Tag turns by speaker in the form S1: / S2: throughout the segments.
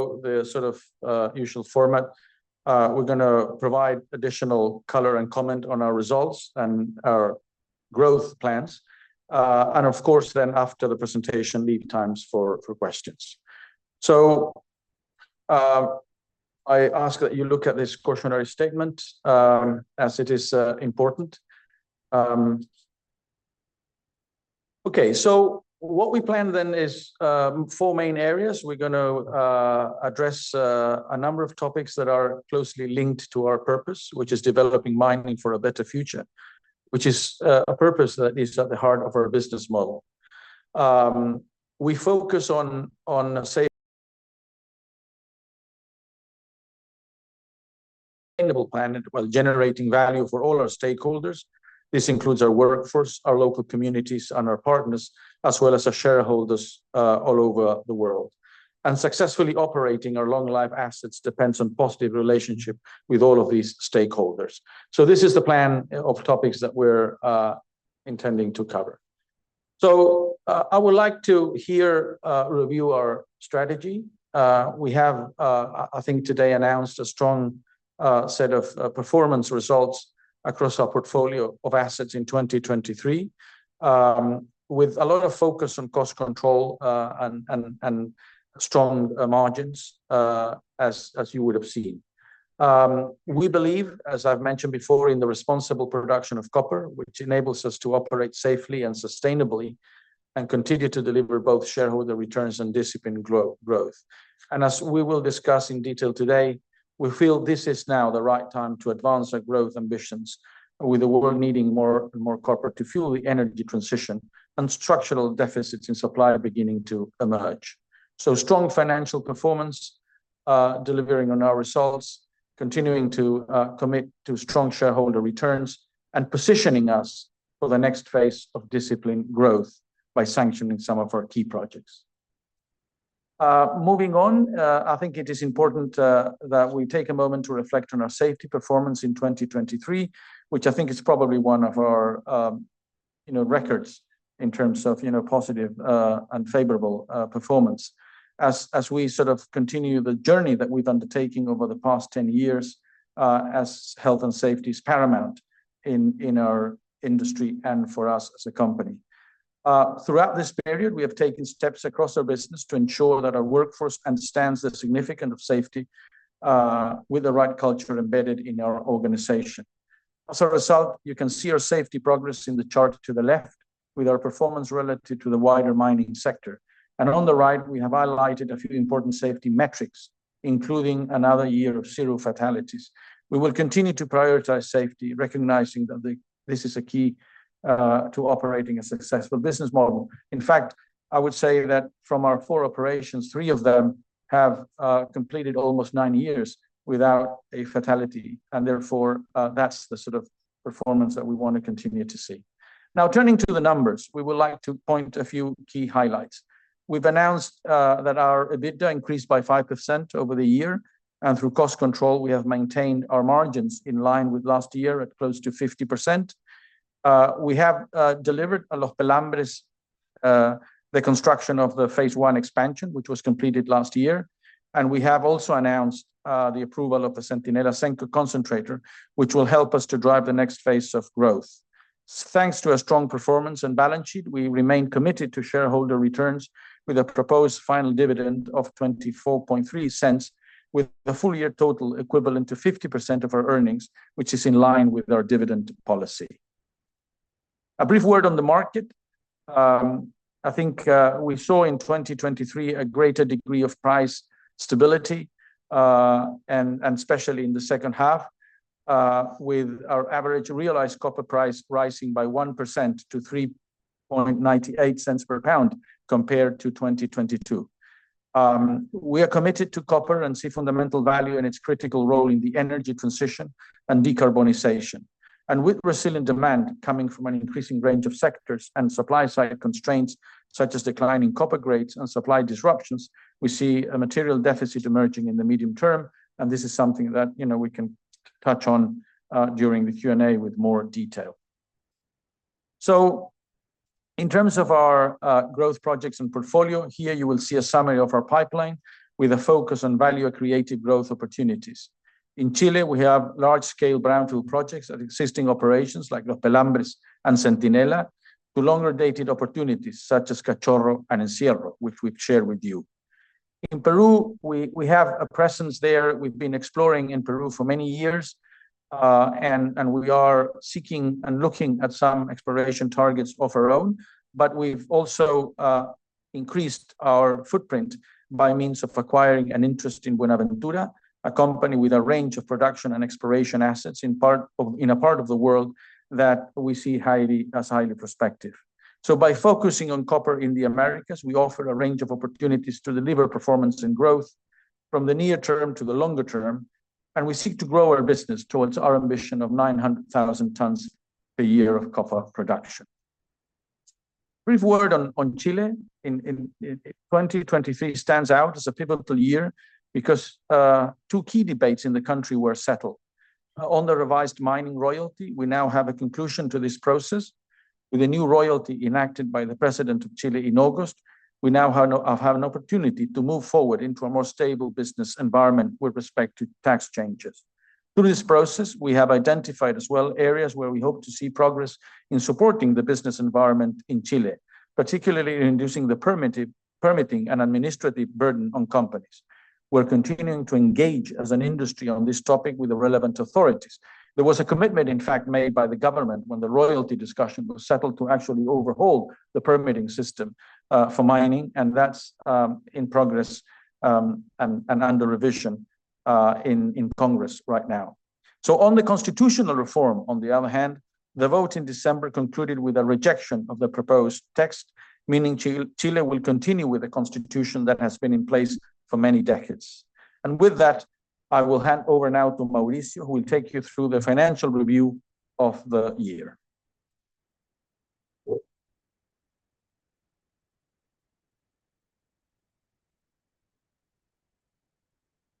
S1: The sort of usual format. We're gonna provide additional color and comment on our results and our growth plans. And of course, then after the presentation, leave time for questions. So, I ask that you look at this cautionary statement, as it is, important. Okay, so what we plan then is four main areas. We're gonna address a number of topics that are closely linked to our purpose, which is developing mining for a better future, which is a purpose that is at the heart of our business model. We focus on sustainable planet while generating value for all our stakeholders. This includes our workforce, our local communities, and our partners, as well as our shareholders, all over the world. Successfully operating our long-life assets depends on positive relationship with all of these stakeholders. This is the plan of topics that we're intending to cover. I would like to here review our strategy. We have, I think, today announced a strong set of performance results across our portfolio of assets in 2023, with a lot of focus on cost control and strong margins, as you would've seen. We believe, as I've mentioned before, in the responsible production of copper, which enables us to operate safely and sustainably, and continue to deliver both shareholder returns and disciplined growth. As we will discuss in detail today, we feel this is now the right time to advance our growth ambitions, with the world needing more and more copper to fuel the energy transition, and structural deficits in supply are beginning to emerge. Strong financial performance, delivering on our results, continuing to commit to strong shareholder returns, and positioning us for the next phase of disciplined growth by sanctioning some of our key projects. Moving on, I think it is important that we take a moment to reflect on our safety performance in 2023, which I think is probably one of our, you know, records in terms of, you know, positive and favorable performance. As we sort of continue the journey that we've undertaking over the past 10 years, as health and safety is paramount in our industry and for us as a company. Throughout this period, we have taken steps across our business to ensure that our workforce understands the significance of safety, with the right culture embedded in our organization. As a result, you can see our safety progress in the chart to the left, with our performance relative to the wider mining sector. And on the right, we have highlighted a few important safety metrics, including another year of zero fatalities. We will continue to prioritize safety, recognizing that this is a key to operating a successful business model. In fact, I would say that from our four operations, three of them have completed almost nine years without a fatality, and therefore, that's the sort of performance that we want to continue to see. Now, turning to the numbers, we would like to point out a few key highlights. We've announced that our EBITDA increased by 5% over the year, and through cost control, we have maintained our margins in line with last year at close to 50%. We have delivered at Los Pelambres the construction of the Phase 1 expansion, which was completed last year, and we have also announced the approval of the Centinela Second Concentrator, which will help us to drive the next phase of growth. So thanks to a strong performance and balance sheet, we remain committed to shareholder returns with a proposed final dividend of $0.243, with the full year total equivalent to 50% of our earnings, which is in line with our dividend policy. A brief word on the market. I think, we saw in 2023 a greater degree of price stability, and, and especially in the second half, with our average realized copper price rising by 1% to $3.98 per pound, compared to 2022. We are committed to copper and see fundamental value in its critical role in the energy transition and decarbonization. With resilient demand coming from an increasing range of sectors and supply side constraints, such as declining copper grades and supply disruptions, we see a material deficit emerging in the medium term, and this is something that, you know, we can touch on during the Q&A with more detail. In terms of our growth projects and portfolio, here you will see a summary of our pipeline with a focus on value and creative growth opportunities. In Chile, we have large-scale brownfield projects at existing operations like Los Pelambres and Centinela, to longer-dated opportunities such as Cachorro and Encierro, which we've shared with you. In Peru, we have a presence there. We've been exploring in Peru for many years, and we are seeking and looking at some exploration targets of our own. But we've also increased our footprint by means of acquiring an interest in Buenaventura, a company with a range of production and exploration assets in a part of the world that we see highly, as highly prospective. So by focusing on copper in the Americas, we offer a range of opportunities to deliver performance and growth from the near term to the longer term, and we seek to grow our business towards our ambition of 900,000 tons per year of copper production. Brief word on Chile. In 2023 stands out as a pivotal year because two key debates in the country were settled. On the revised mining royalty, we now have a conclusion to this process, with a new royalty enacted by the president of Chile in August. We now have an opportunity to move forward into a more stable business environment with respect to tax changes. Through this process, we have identified as well areas where we hope to see progress in supporting the business environment in Chile, particularly in reducing the permitting and administrative burden on companies. We're continuing to engage as an industry on this topic with the relevant authorities. There was a commitment, in fact, made by the government when the royalty discussion was settled, to actually overhaul the permitting system for mining, and that's in progress and under revision in Congress right now. So on the constitutional reform, on the other hand, the vote in December concluded with a rejection of the proposed text, meaning Chile will continue with the constitution that has been in place for many decades. With that, I will hand over now to Mauricio, who will take you through the financial review of the year.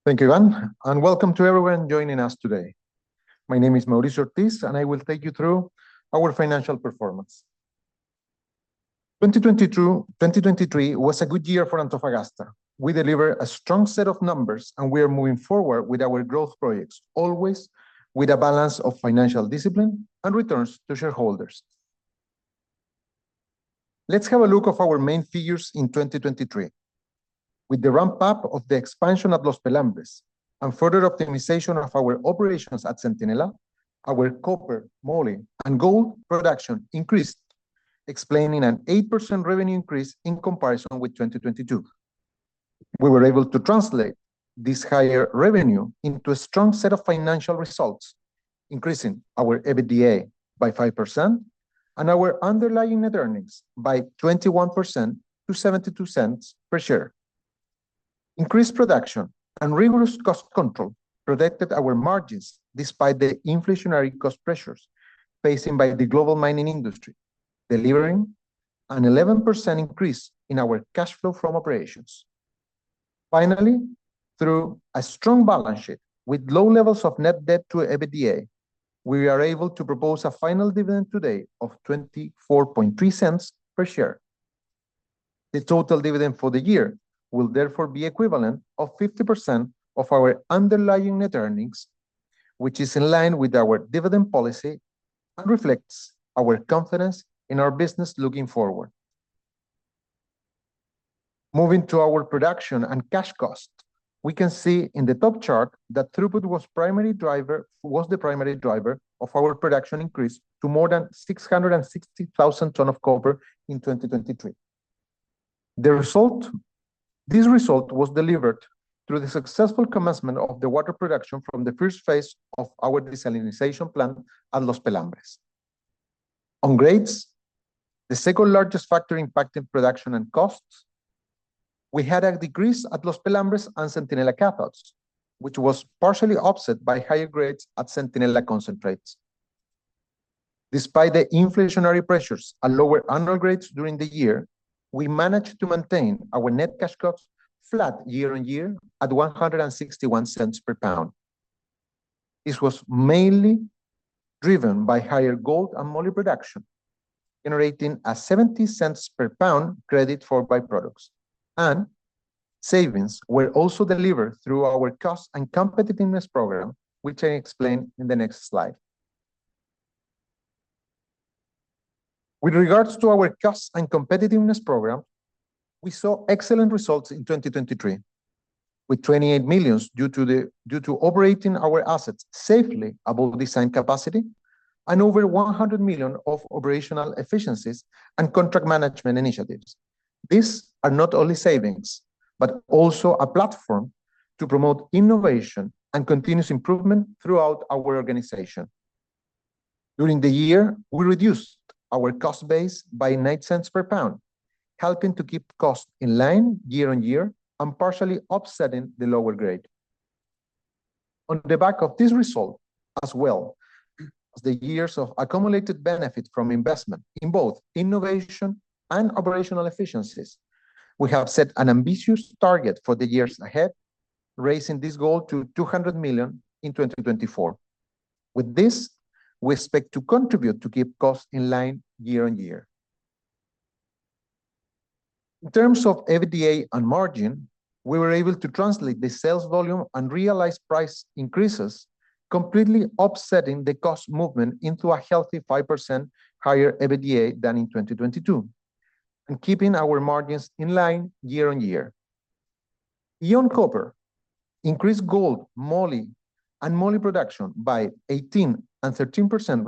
S2: Thank you, Iván, and welcome to everyone joining us today. My name is Mauricio Ortiz, and I will take you through our financial performance. 2022-2023 was a good year for Antofagasta. We delivered a strong set of numbers, and we are moving forward with our growth projects, always with a balance of financial discipline and returns to shareholders. Let's have a look of our main figures in 2023. With the ramp-up of the expansion of Los Pelambres and further optimization of our operations at Centinela, our copper, moly, and gold production increased, explaining an 8% revenue increase in comparison with 2022. We were able to translate this higher revenue into a strong set of financial results, increasing our EBITDA by 5% and our underlying net earnings by 21% to $0.72 per share. Increased production and rigorous cost control protected our margins despite the inflationary cost pressures facing by the global mining industry, delivering an 11% increase in our cash flow from operations. Finally, through a strong balance sheet with low levels of net debt to EBITDA, we are able to propose a final dividend today of $0.243 per share. The total dividend for the year will therefore be equivalent of 50% of our underlying net earnings, which is in line with our dividend policy and reflects our confidence in our business looking forward. Moving to our production and cash costs, we can see in the top chart that throughput was the primary driver of our production increase to more than 660,000 tons of copper in 2023. This result was delivered through the successful commencement of the water production from the first phase of our desalination plant at Los Pelambres. On grades, the second-largest factor impacting production and costs, we had a decrease at Los Pelambres and Centinela cathodes, which was partially offset by higher grades at Centinela concentrates. Despite the inflationary pressures and lower grades during the year, we managed to maintain our net cash costs flat year-on-year at $1.61 per pound. This was mainly driven by higher gold and moly production, generating a $0.70 per pound credit for byproducts, and savings were also delivered through our cost and competitiveness program, which I explain in the next slide. With regards to our cost and competitiveness program, we saw excellent results in 2023, with $28 million due to operating our assets safely above design capacity and over $100 million of operational efficiencies and contract management initiatives. These are not only savings, but also a platform to promote innovation and continuous improvement throughout our organization. During the year, we reduced our cost base by $0.09 per pound, helping to keep costs in line year-on-year and partially offsetting the lower grade. On the back of this result, as well as the years of accumulated benefit from investment in both innovation and operational efficiencies, we have set an ambitious target for the years ahead, raising this goal to $200 million in 2024. With this, we expect to contribute to keep costs in line year-on-year. In terms of EBITDA and margin, we were able to translate the sales volume and realized price increases, completely offsetting the cost movement into a healthy 5% higher EBITDA than in 2022, and keeping our margins in line year-on-year. Beyond copper, increased gold, moly, and moly production by 18% and 13%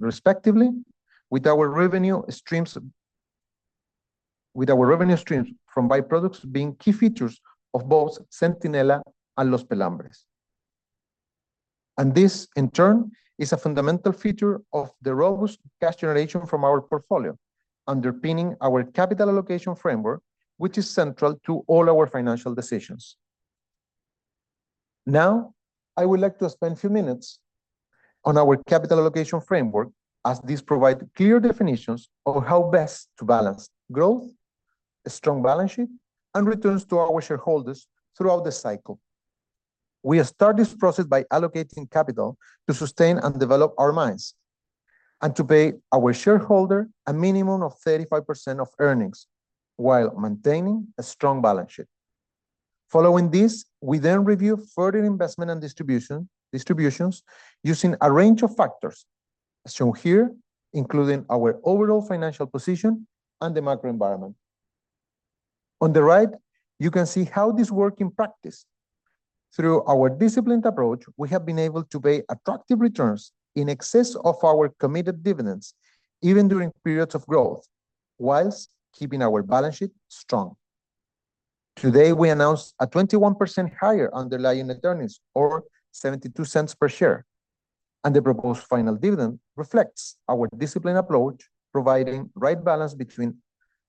S2: respectively, with our revenue streams from by-products being key features of both Centinela and Los Pelambres. And this, in turn, is a fundamental feature of the robust cash generation from our portfolio, underpinning our capital allocation framework, which is central to all our financial decisions. Now, I would like to spend a few minutes on our capital allocation framework, as this provide clear definitions of how best to balance growth, a strong balance sheet, and returns to our shareholders throughout the cycle. We start this process by allocating capital to sustain and develop our mines, and to pay our shareholder a minimum of 35% of earnings, while maintaining a strong balance sheet. Following this, we then review further investment and distribution, distributions using a range of factors, as shown here, including our overall financial position and the macro environment. On the right, you can see how this work in practice. Through our disciplined approach, we have been able to pay attractive returns in excess of our committed dividends, even during periods of growth, whilst keeping our balance sheet strong. Today, we announced a 21% higher underlying earnings, or $0.72 per share, and the proposed final dividend reflects our disciplined approach, providing right balance between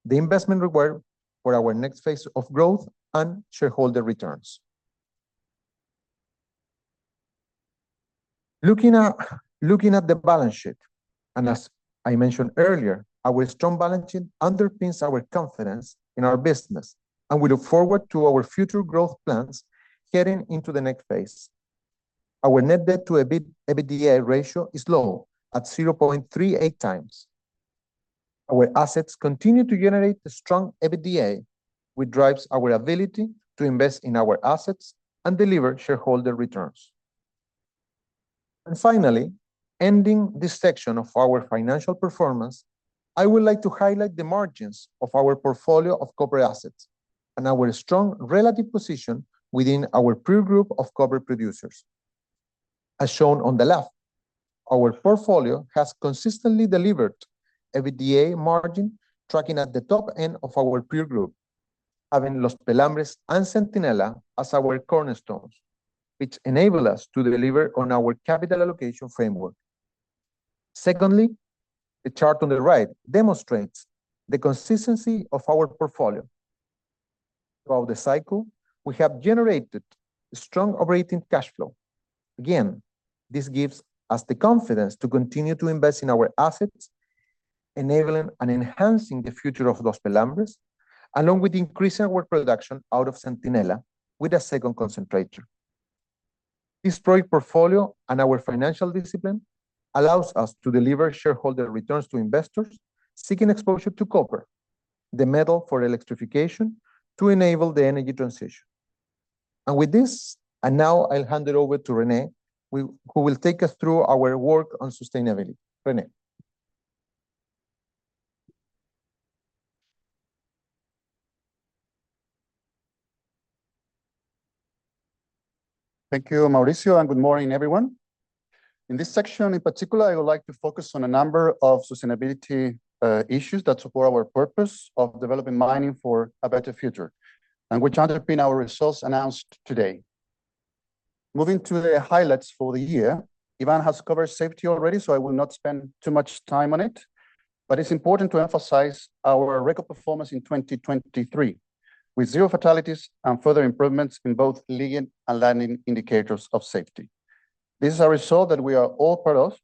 S2: the investment required for our next phase of growth and shareholder returns. Looking at the balance sheet, and as I mentioned earlier, our strong balance sheet underpins our confidence in our business, and we look forward to our future growth plans getting into the next phase. Our net debt-to-EBITDA ratio is low, at 0.38x. Our assets continue to generate a strong EBITDA, which drives our ability to invest in our assets and deliver shareholder returns. And finally, ending this section of our financial performance, I would like to highlight the margins of our portfolio of copper assets and our strong relative position within our peer group of copper producers. As shown on the left, our portfolio has consistently delivered EBITDA margin tracking at the top end of our peer group, having Los Pelambres and Centinela as our cornerstones, which enable us to deliver on our capital allocation framework. Secondly, the chart on the right demonstrates the consistency of our portfolio. Throughout the cycle, we have generated strong operating cashflow. Again, this gives us the confidence to continue to invest in our assets, enabling and enhancing the future of Los Pelambres, along with increasing our production out of Centinela with a second concentrator. This project portfolio and our financial discipline allows us to deliver shareholder returns to investors seeking exposure to copper, the metal for electrification, to enable the energy transition. And with this, and now I'll hand it over to René, who will take us through our work on sustainability. René?
S3: Thank you, Mauricio, and good morning, everyone. In this section in particular, I would like to focus on a number of sustainability issues that support our purpose of developing mining for a better future, and which underpin our results announced today. Moving to the highlights for the year, Iván has covered safety already, so I will not spend too much time on it, but it's important to emphasize our record performance in 2023, with zero fatalities and further improvements in both leading and lagging indicators of safety. This is a result that we are all part of,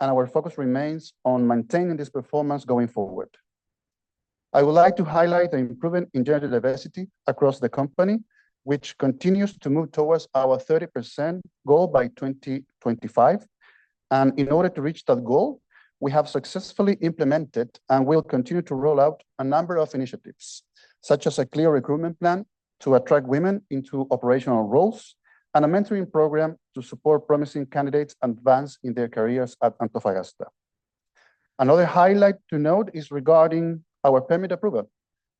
S3: and our focus remains on maintaining this performance going forward. I would like to highlight the improvement in gender diversity across the company, which continues to move towards our 30% goal by 2025. In order to reach that goal, we have successfully implemented and will continue to roll out a number of initiatives, such as a clear recruitment plan to attract women into operational roles and a mentoring program to support promising candidates advance in their careers at Antofagasta. Another highlight to note is regarding our permit approval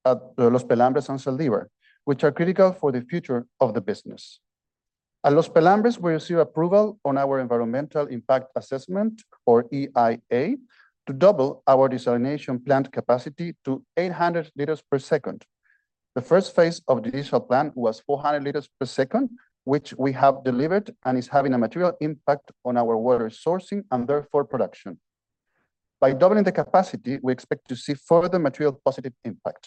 S3: at Los Pelambres and Zaldívar, which are critical for the future of the business. At Los Pelambres, we received approval on our environmental impact assessment, or EIA, to double our desalination plant capacity to 800 liters per second. The first phase of the initial plan was 400 liters per second, which we have delivered and is having a material impact on our water sourcing, and therefore production. By doubling the capacity, we expect to see further material positive impact.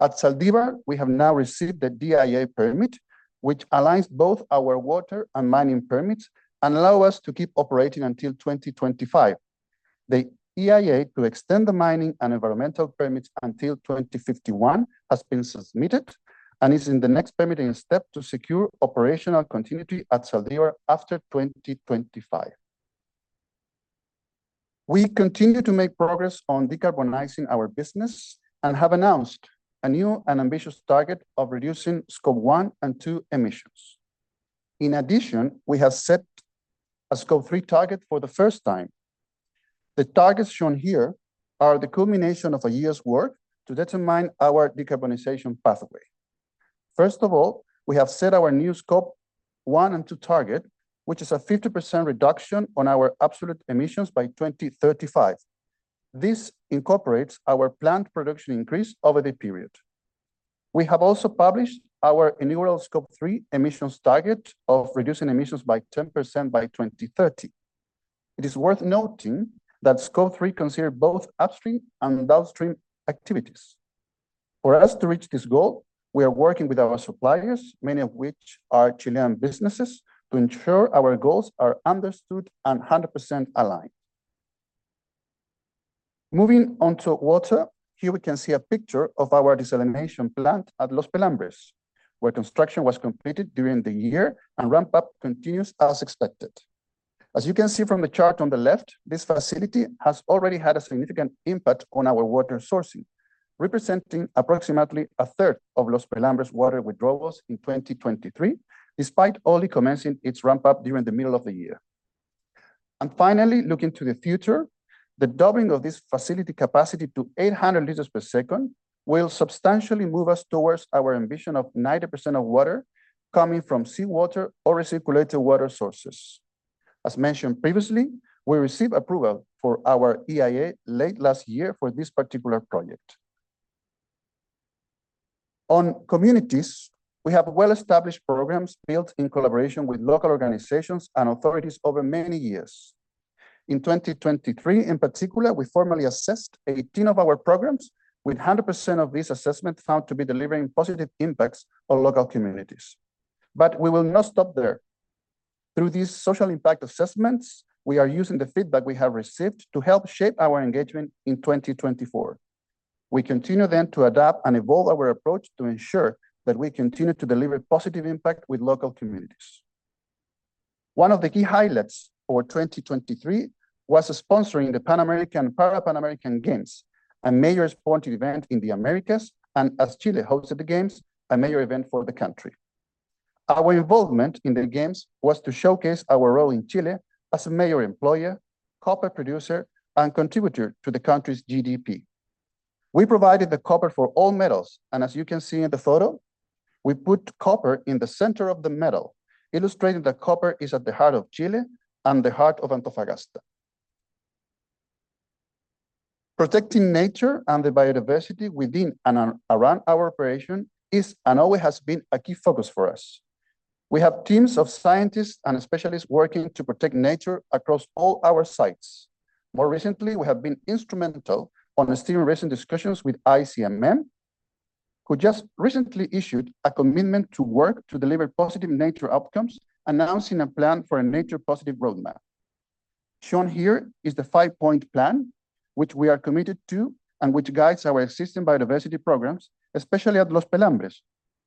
S3: At Zaldívar, we have now received the DIA permit, which aligns both our water and mining permits and allow us to keep operating until 2025. The EIA to extend the mining and environmental permits until 2051 has been submitted and is in the next permitting step to secure operational continuity at Zaldívar after 2025. We continue to make progress on decarbonizing our business and have announced a new and ambitious target of reducing Scope 1 and 2 emissions. In addition, we have set a Scope 3 target for the first time. The targets shown here are the culmination of a year's work to determine our decarbonization pathway. First of all, we have set our new Scope 1 and 2 target, which is a 50% reduction on our absolute emissions by 2035. This incorporates our planned production increase over the period. We have also published our inaugural Scope 3 emissions target of reducing emissions by 10% by 2030. It is worth noting that Scope 3 consider both upstream and downstream activities. For us to reach this goal, we are working with our suppliers, many of which are Chilean businesses, to ensure our goals are understood and 100% aligned. Moving on to water, here we can see a picture of our desalination plant at Los Pelambres, where construction was completed during the year and ramp-up continues as expected. As you can see from the chart on the left, this facility has already had a significant impact on our water sourcing, representing approximately a third of Los Pelambres' water withdrawals in 2023, despite only commencing its ramp-up during the middle of the year. Finally, looking to the future, the doubling of this facility capacity to 800 liters per second will substantially move us towards our ambition of 90% of water coming from seawater or recirculated water sources. As mentioned previously, we received approval for our EIA late last year for this particular project. On communities, we have well-established programs built in collaboration with local organizations and authorities over many years. In 2023, in particular, we formally assessed 18 of our programs, with 100% of this assessment found to be delivering positive impacts on local communities, but we will not stop there. Through these social impact assessments, we are using the feedback we have received to help shape our engagement in 2024. We continue then to adapt and evolve our approach to ensure that we continue to deliver positive impact with local communities. One of the key highlights for 2023 was sponsoring the Pan American-Parapan American Games, a major sporting event in the Americas, and as Chile hosted the games, a major event for the country. Our involvement in the games was to showcase our role in Chile as a major employer, copper producer, and contributor to the country's GDP. We provided the copper for all medals, and as you can see in the photo, we put copper in the center of the medal, illustrating that copper is at the heart of Chile and the heart of Antofagasta. Protecting nature and the biodiversity within and around our operation is, and always has been, a key focus for us. We have teams of scientists and specialists working to protect nature across all our sites. More recently, we have been instrumental on the steering recent discussions with ICMM, who just recently issued a commitment to work to deliver positive nature outcomes, announcing a plan for a nature positive roadmap. Shown here is the five-point plan, which we are committed to and which guides our existing biodiversity programs, especially at Los Pelambres,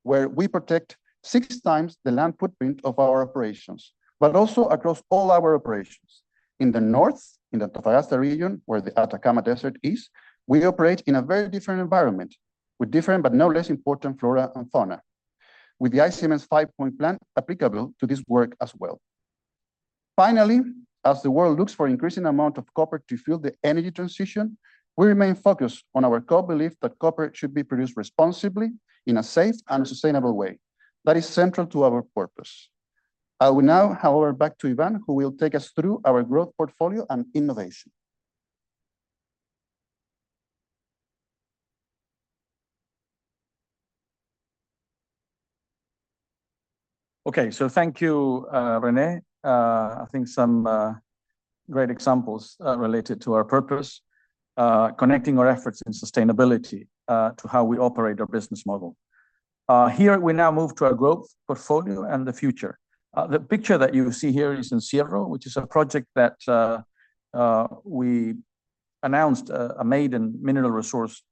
S3: where we protect 6x the land footprint of our operations, but also across all our operations. In the north, in the Antofagasta region, where the Atacama Desert is, we operate in a very different environment, with different but no less important flora and fauna, with the ICMM's five-point plan applicable to this work as well. Finally, as the world looks for increasing amount of copper to fuel the energy transition, we remain focused on our core belief that copper should be produced responsibly, in a safe and sustainable way. That is central to our purpose. I will now hand over back to Iván, who will take us through our growth portfolio and innovation.
S1: Okay, so thank you, René. I think some great examples related to our purpose, connecting our efforts in sustainability, to how we operate our business model. Here we now move to our growth portfolio and the future. The picture that you see here is Encierro, which is a project that we announced a maiden mineral resource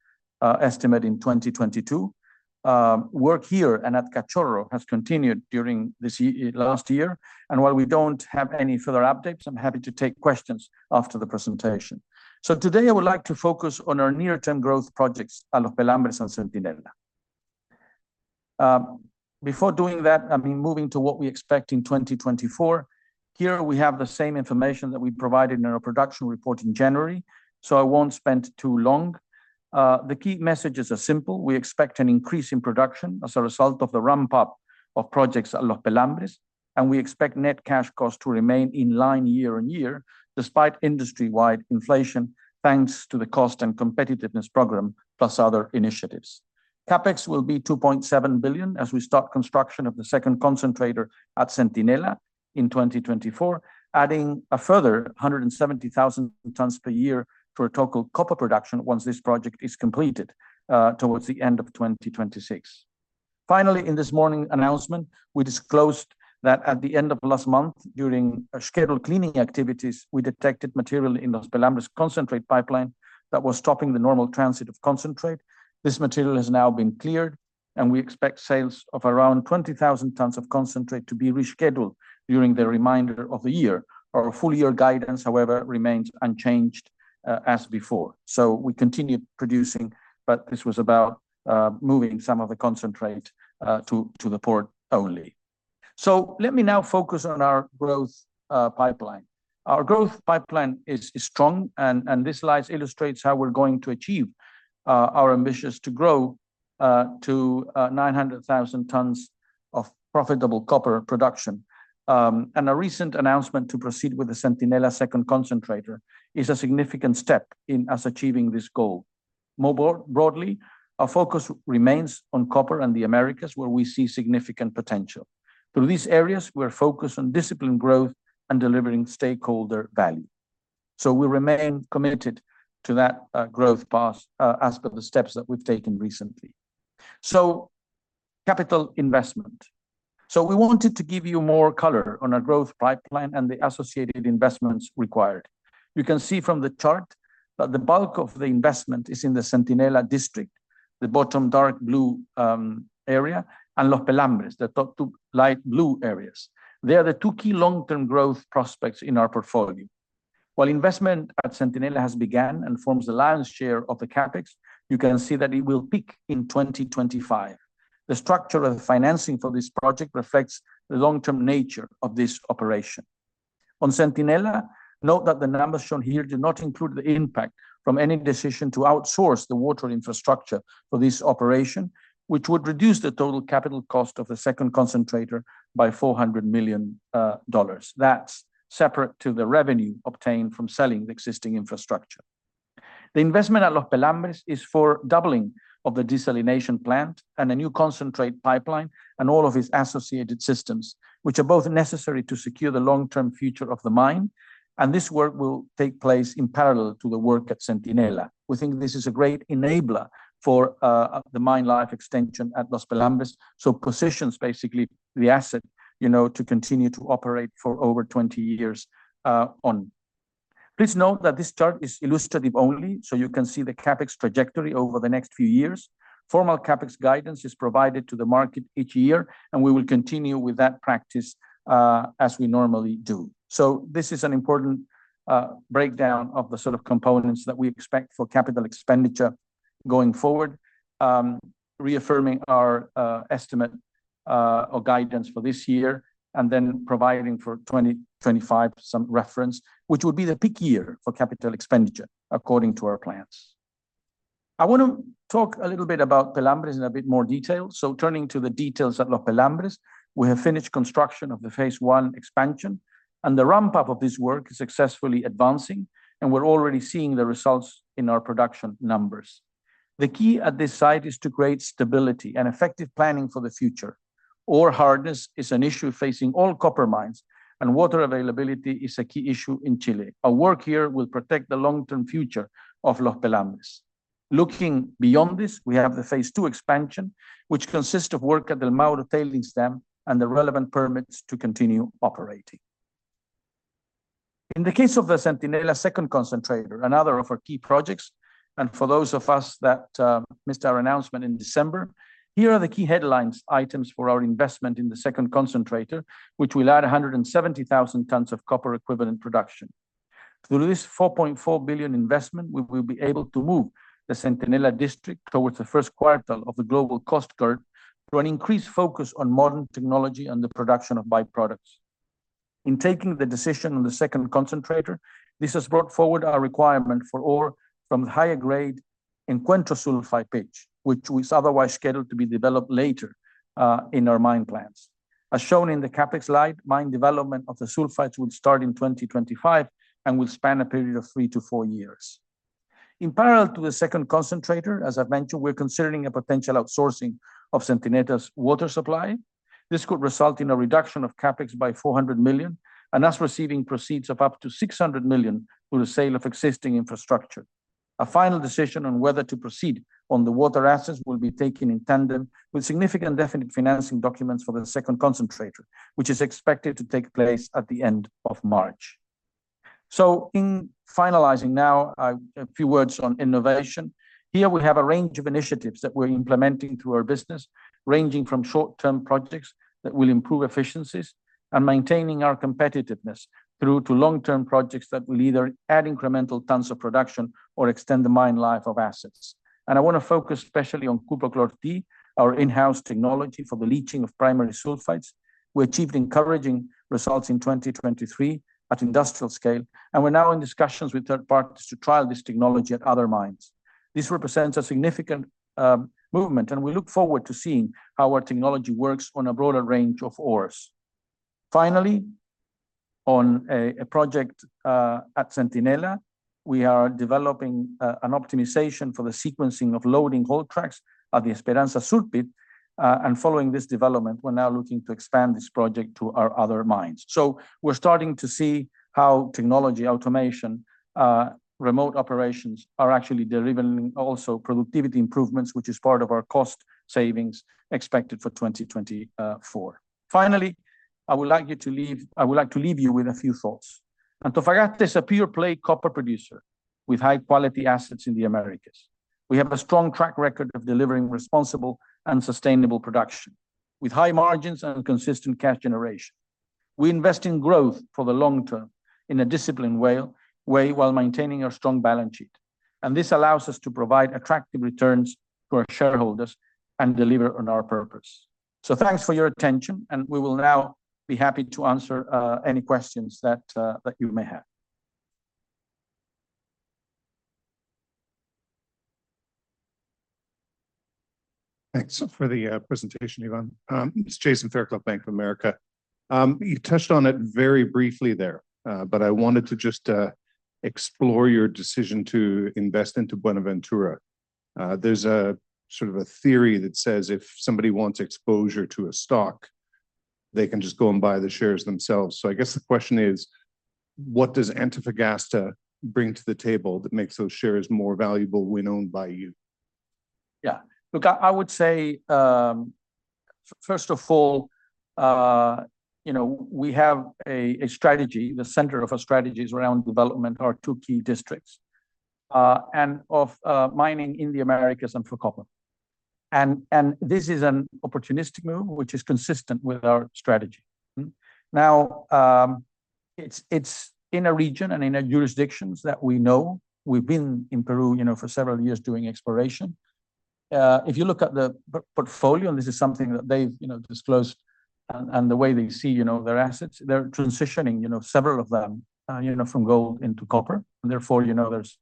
S1: estimate in 2022. Work here and at Cachorro has continued during last year, and while we don't have any further updates, I'm happy to take questions after the presentation. So today I would like to focus on our near-term growth projects, Los Pelambres and Centinela. Before doing that, I mean, moving to what we expect in 2024, here we have the same information that we provided in our production report in January, so I won't spend too long. The key messages are simple. We expect an increase in production as a result of the ramp-up of projects at Los Pelambres, and we expect net cash costs to remain in line year-on-year, despite industry-wide inflation, thanks to the cost and competitiveness program, plus other initiatives. CapEx will be $2.7 billion as we start construction of the second concentrator at Centinela in 2024, adding a further 170,000 tons per year for a total copper production once this project is completed, towards the end of 2026. Finally, in this morning's announcement, we disclosed that at the end of last month, during a scheduled cleaning activities, we detected material in Los Pelambres concentrate pipeline that was stopping the normal transit of concentrate. This material has now been cleared, and we expect sales of around 20,000 tons of concentrate to be rescheduled during the remainder of the year. Our full-year guidance, however, remains unchanged, as before. So we continued producing, but this was about, moving some of the concentrate, to the port only. So let me now focus on our growth pipeline. Our growth pipeline is strong, and this slide illustrates how we're going to achieve our ambitions to grow to 900,000 tons of profitable copper production. And a recent announcement to proceed with the Centinela second concentrator is a significant step in us achieving this goal. More broadly, our focus remains on copper and the Americas, where we see significant potential. Through these areas, we're focused on disciplined growth and delivering stakeholder value. So we remain committed to that, growth path, as per the steps that we've taken recently. So capital investment. So we wanted to give you more color on our growth pipeline and the associated investments required. You can see from the chart that the bulk of the investment is in the Centinela district, the bottom dark blue, area, and Los Pelambres, the top two light blue areas. They are the two key long-term growth prospects in our portfolio. While investment at Centinela has begun and forms the lion's share of the CapEx, you can see that it will peak in 2025. The structure of the financing for this project reflects the long-term nature of this operation. On Centinela, note that the numbers shown here do not include the impact from any decision to outsource the water infrastructure for this operation, which would reduce the total capital cost of the second concentrator by $400 million. That's separate to the revenue obtained from selling the existing infrastructure. The investment at Los Pelambres is for doubling of the desalination plant, and a new concentrate pipeline, and all of its associated systems, which are both necessary to secure the long-term future of the mine, and this work will take place in parallel to the work at Centinela. We think this is a great enabler for the mine life extension at Los Pelambres, so positions basically the asset, you know, to continue to operate for over 20 years on. Please note that this chart is illustrative only, so you can see the CapEx trajectory over the next few years. Formal CapEx guidance is provided to the market each year, and we will continue with that practice as we normally do. So this is an important breakdown of the sort of components that we expect for capital expenditure going forward reaffirming our estimate or guidance for this year, and then providing for 2025 some reference, which would be the peak year for capital expenditure according to our plans. I wanna talk a little bit about Pelambres in a bit more detail. So turning to the details at Los Pelambres, we have finished construction of the phase one expansion, and the ramp-up of this work is successfully advancing, and we're already seeing the results in our production numbers. The key at this site is to create stability and effective planning for the future. Ore hardness is an issue facing all copper mines, and water availability is a key issue in Chile. Our work here will protect the long-term future of Los Pelambres. Looking beyond this, we have the phase two expansion, which consists of work at the El Mauro tailings dam and the relevant permits to continue operating. In the case of the Centinela second concentrator, another of our key projects, and for those of us that missed our announcement in December, here are the key headlines items for our investment in the second concentrator, which will add 170,000 tons of copper equivalent production. Through this $4.4 billion investment, we will be able to move the Centinela district towards the first quartile of the global cost curve through an increased focus on modern technology and the production of byproducts. In taking the decision on the second concentrator, this has brought forward our requirement for ore from the higher grade Encuentro sulfide pit, which was otherwise scheduled to be developed later in our mine plans. As shown in the CapEx slide, mine development of the sulfides will start in 2025 and will span a period of 3-4 years. In parallel to the second concentrator, as I've mentioned, we're considering a potential outsourcing of Centinela's water supply. This could result in a reduction of CapEx by $400 million, and thus receiving proceeds of up to $600 million through the sale of existing infrastructure. A final decision on whether to proceed on the water assets will be taken in tandem with significant definite financing documents for the second concentrator, which is expected to take place at the end of March. So in finalizing now, a few words on innovation. Here we have a range of initiatives that we're implementing through our business, ranging from short-term projects that will improve efficiencies and maintaining our competitiveness, through to long-term projects that will either add incremental tons of production or extend the mine life of assets. And I wanna focus especially on Cuprochlor-T, our in-house technology for the leaching of primary sulfides. We achieved encouraging results in 2023 at industrial scale, and we're now in discussions with third parties to trial this technology at other mines. This represents a significant movement, and we look forward to seeing how our technology works on a broader range of ores. Finally, on a project at Centinela, we are developing an optimization for the sequencing of loading haul trucks at the Esperanza open pit. And following this development, we're now looking to expand this project to our other mines. So we're starting to see how technology, automation, remote operations are actually delivering also productivity improvements, which is part of our cost savings expected for 2024. Finally, I would like to leave you with a few thoughts. Antofagasta is a pure play copper producer with high-quality assets in the Americas. We have a strong track record of delivering responsible and sustainable production, with high margins and consistent cash generation. We invest in growth for the long term in a disciplined way, while maintaining our strong balance sheet, and this allows us to provide attractive returns to our shareholders and deliver on our purpose. So thanks for your attention, and we will now be happy to answer any questions that you may have.
S4: Thanks for the presentation, Iván. It's Jason Fairclough, Bank of America. You touched on it very briefly there, but I wanted to just explore your decision to invest into Buenaventura. There's a sort of a theory that says if somebody wants exposure to a stock they can just go and buy the shares themselves. So I guess the question is: What does Antofagasta bring to the table that makes those shares more valuable when owned by you?
S1: Yeah. Look, I would say, first of all, you know, we have a strategy. The center of our strategy is around developing our two key districts, and of mining in the Americas and for copper. And this is an opportunistic move, which is consistent with our strategy. Mm? Now, it's in a region and in a jurisdictions that we know. We've been in Peru, you know, for several years doing exploration. If you look at the portfolio, and this is something that they've, you know, disclosed, and the way they see, you know, their assets, they're transitioning, you know, several of them, from gold into copper, and therefore, you know, there's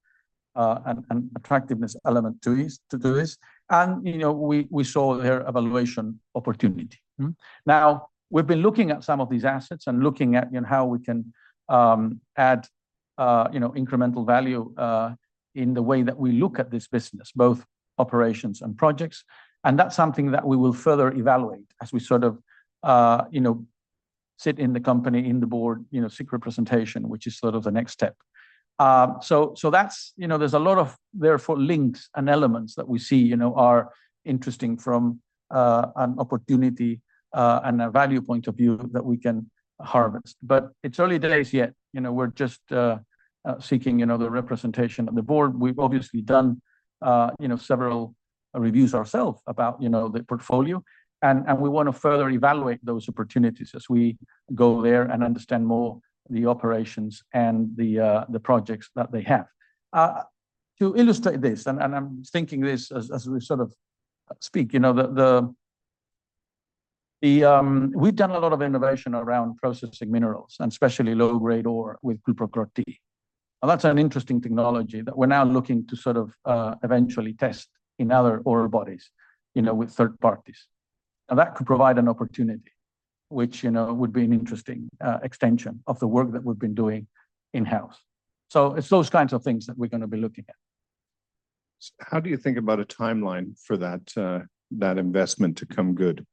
S1: an attractiveness element to this to do this. And, you know, we saw their valuation opportunity. Mm? Now, we've been looking at some of these assets and looking at, you know, how we can, you know, add incremental value in the way that we look at this business, both operations and projects, and that's something that we will further evaluate as we sort of, you know, sit in the company, in the board, you know, seek representation, which is sort of the next step. there's a lot of, therefore, links and elements that we see, you know, are interesting from an opportunity and a value point of view that we can harvest. But it's early days yet. You know, we're just seeking, you know, the representation on the board. We've obviously done, several reviews ourselves about, you know, the portfolio, and, and we wanna further evaluate those opportunities as we go there and understand more the operations and the, the projects that they have. To illustrate this, and I'm thinking this as we sort of speak, you know. We've done a lot of innovation around processing minerals, and especially low-grade ore with Cuprochlor-T. And that's an interesting technology that we're now looking to sort of, eventually test in other ore bodies, you know, with third parties. Now, that could provide an opportunity, which, you know, would be an interesting, extension of the work that we've been doing in-house. So it's those kinds of things that we're gonna be looking at.
S4: How do you think about a timeline for that, that investment to come good?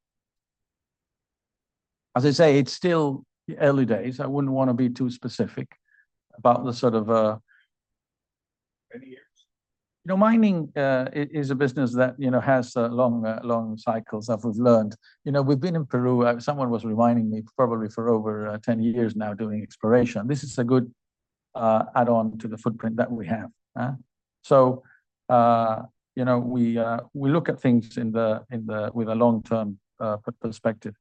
S1: As I say, it's still early days. I wouldn't wanna be too specific about the sort of many years. You know, mining is a business that, you know, has long cycles, as we've learned. You know, we've been in Peru, someone was reminding me, probably for over 10 years now, doing exploration. This is a good add-on to the footprint that we have? So, you know, we look at things with a long-term perspective.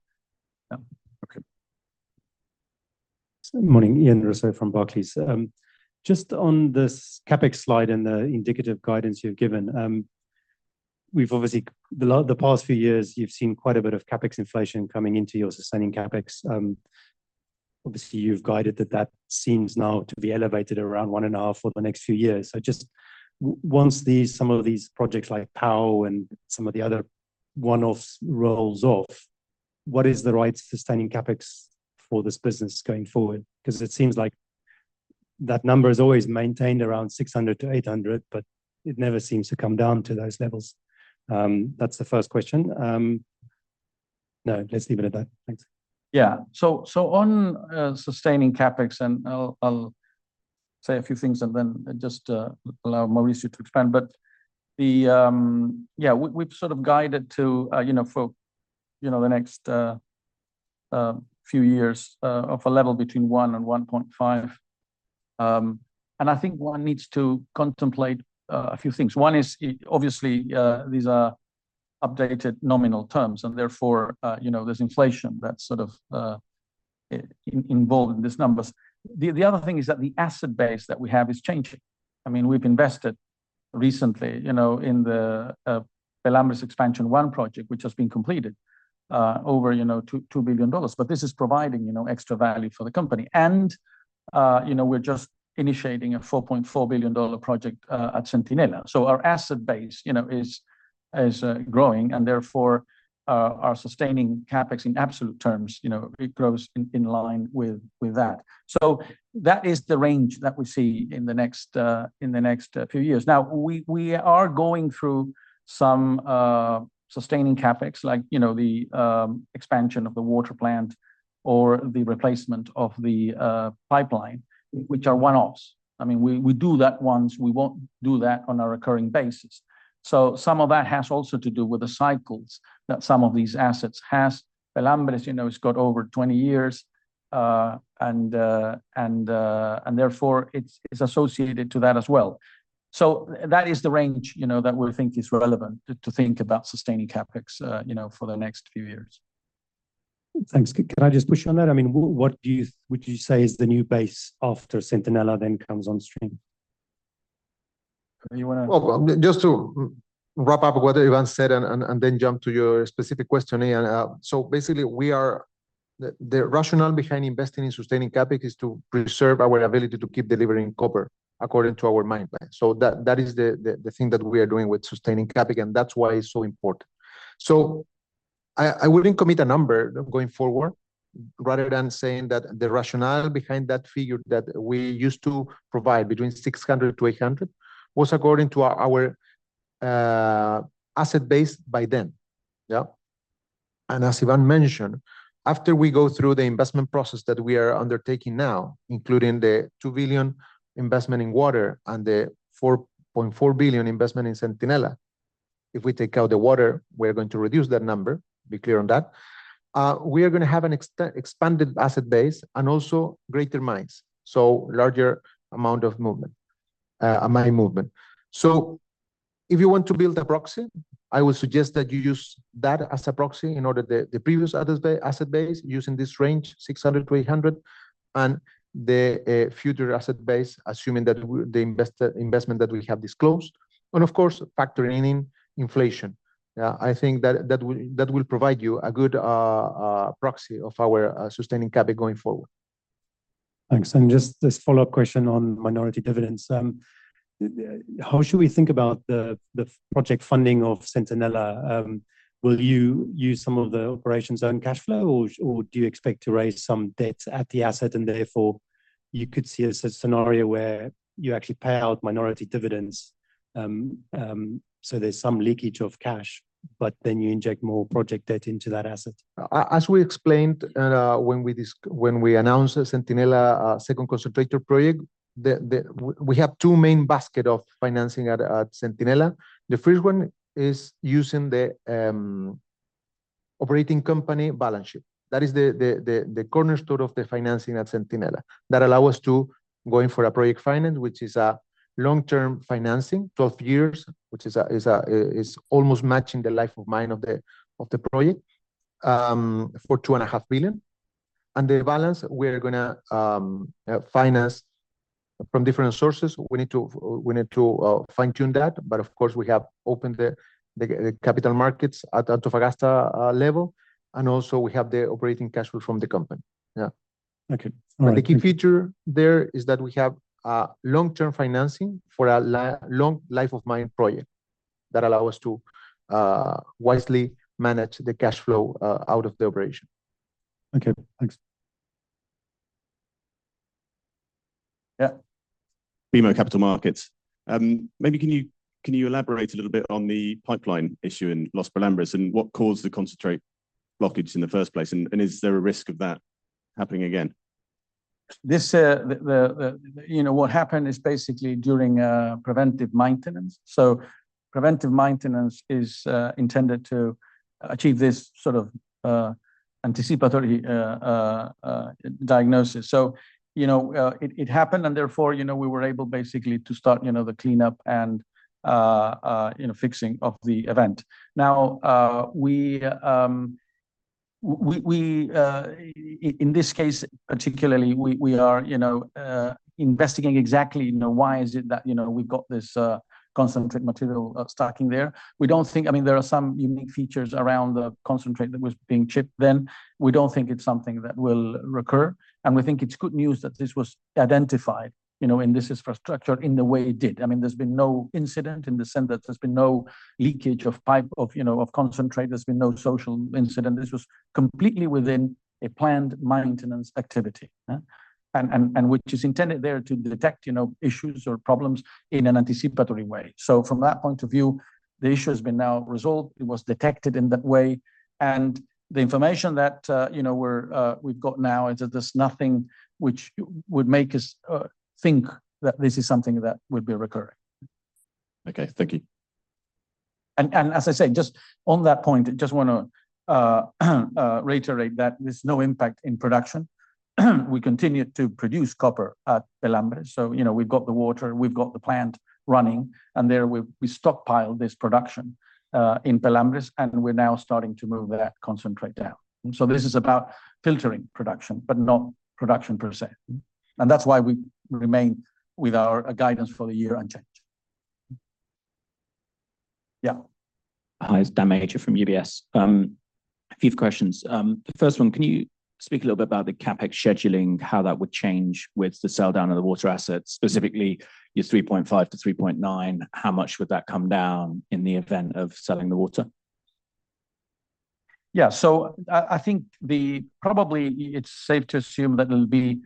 S4: Okay.
S5: Good morning. Ian Rossouw from Barclays. Just on this CapEx slide and the indicative guidance you've given. The past few years, you've seen quite a bit of CapEx inflation coming into your sustaining CapEx. Obviously, you've guided that seems now to be elevated around $1.5 for the next few years. Once these some of these projects like PAO and some of the other one-offs rolls off, what is the right sustaining CapEx for this business going forward? Because it seems like that number is always maintained around $600-$800, but it never seems to come down to those levels. That's the first question. No, let's leave it at that. Thanks.
S1: Yeah. So on sustaining CapEx, and I'll say a few things and then just allow Mauricio to expand, we've sort of guided to, you know, for the next few years, of a level between $1 billion and $1.5 billion. And I think one needs to contemplate a few things. One is, obviously, these are updated nominal terms, and therefore, you know, there's inflation that's sort of involved in these numbers. The other thing is that the asset base that we have is changing. I mean, we've invested recently, you know, in the Los Pelambres Expansion One project, which has been completed, over $2 billion. But this is providing, you know, extra value for the company. You know, we're just initiating a $4.4 billion project at Centinela. So our asset base, you know, is growing, and therefore, our sustaining CapEx in absolute terms, you know, it grows in line with that. So that is the range that we see in the next few years. Now, we are going through some sustaining CapEx, like, you know, the expansion of the water plant or the replacement of the pipeline, which are one-offs. I mean, we do that once. We won't do that on a recurring basis. So some of that has also to do with the cycles that some of these assets has. Los Pelambres, you know, has got over 20 years, and therefore, it's associated to that as well. That is the range, you know, that we think is relevant to, to think about sustaining CapEx, you know, for the next few years.
S5: Thanks. Can I just push on that? I mean, would you say is the new base after Centinela then comes on stream?
S2: Well, just to wrap up what Iván said, and then jump to your specific question, Ian. So basically, we are. The rationale behind investing in sustaining CapEx is to preserve our ability to keep delivering copper according to our mine plan. So that is the thing that we are doing with sustaining CapEx, and that's why it's so important. So I wouldn't commit a number going forward, rather than saying that the rationale behind that figure that we used to provide between $600-$800 was according to our asset base by then. Yeah. And as Iván mentioned, after we go through the investment process that we are undertaking now, including the $2 billion investment in water and the $4.4 billion investment in Centinela, if we take out the water, we're going to reduce that number. Be clear on that. We are gonna have an expanded asset base, and also greater mines, so larger amount of movement, mine movement. So if you want to build a proxy, I would suggest that you use that as a proxy in order the, the previous others asset base, using this range, 600-800, and the, future asset base, assuming that the investment that we have disclosed, and of course, factoring in inflation. I think that, that will, that will provide you a good, proxy of our, sustaining CAPEX going forward.
S5: Thanks. And just this follow-up question on minority dividends. How should we think about the project funding of Centinela? Will you use some of the operation's own cash flow, or do you expect to raise some debts at the asset, and therefore, you could see a scenario where you actually pay out minority dividends, so there's some leakage of cash, but then you inject more project debt into that asset?
S2: As we explained, when we announced the Centinela second concentrator project, we have two main basket of financing at Centinela. The first one is using the operating company balance sheet. That is the cornerstone of the financing at Centinela, that allow us to go in for a project finance, which is a long-term financing, 12 years, which is almost matching the life of mine of the project, for $2.5 billion. And the balance, we are gonna finance from different sources. We need to fine-tune that, but of course, we have opened the capital markets at Antofagasta level, and also we have the operating cash flow from the company. The key feature there is that we have long-term financing for a long life of mine project, that allow us to wisely manage the cash flow out of the operation.
S6: Okay, thanks.
S7: BMO Capital Markets. Maybe can you elaborate a little bit on the pipeline issue in Los Pelambres, and what caused the concentrate blockage in the first place? And is there a risk of that happening again?
S1: This, you know, what happened is basically during preventive maintenance. So preventive maintenance is intended to achieve this sort of diagnosis. So, you know, it happened, and therefore, you know, we were able basically to start, you know, the cleanup and, you know, fixing of the event. Now, we, in this case particularly, we are, you know, investigating exactly, you know, why is it that, you know, we've got this concentrate material stocking there. We don't think. I mean, there are some unique features around the concentrate that was being shipped then. We don't think it's something that will recur, and we think it's good news that this was identified, you know, in this infrastructure in the way it did. I mean, there's been no incident in the sense that there's been no leakage of pipe, of, you know, of concentrate. There's been no social incident. This was completely within a planned maintenance activity, yeah? And which is intended there to detect, you know, issues or problems in an anticipatory way. So from that point of view, the issue has been now resolved. It was detected in that way, and the information that, you know, we're, we've got now is that there's nothing which would make us, think that this is something that would be recurring.
S7: Okay, thank you.
S1: As I said, just on that point, I just wanna reiterate that there's no impact in production. We continue to produce copper at Pelambres. So, you know, we've got the water, we've got the plant running, and we stockpiled this production in Pelambres, and we're now starting to move that concentrate down. So this is about filtering production, but not production per se. And that's why we remain with our guidance for the year unchanged. Yeah.
S6: Hi, it's Dan Major from UBS. A few questions. The first one, can you speak a little bit about the CapEx scheduling, how that would change with the sell-down of the water assets, specifically your $3.5-$3.9? How much would that come down in the event of selling the water?
S1: Probably it's safe to assume that it'll be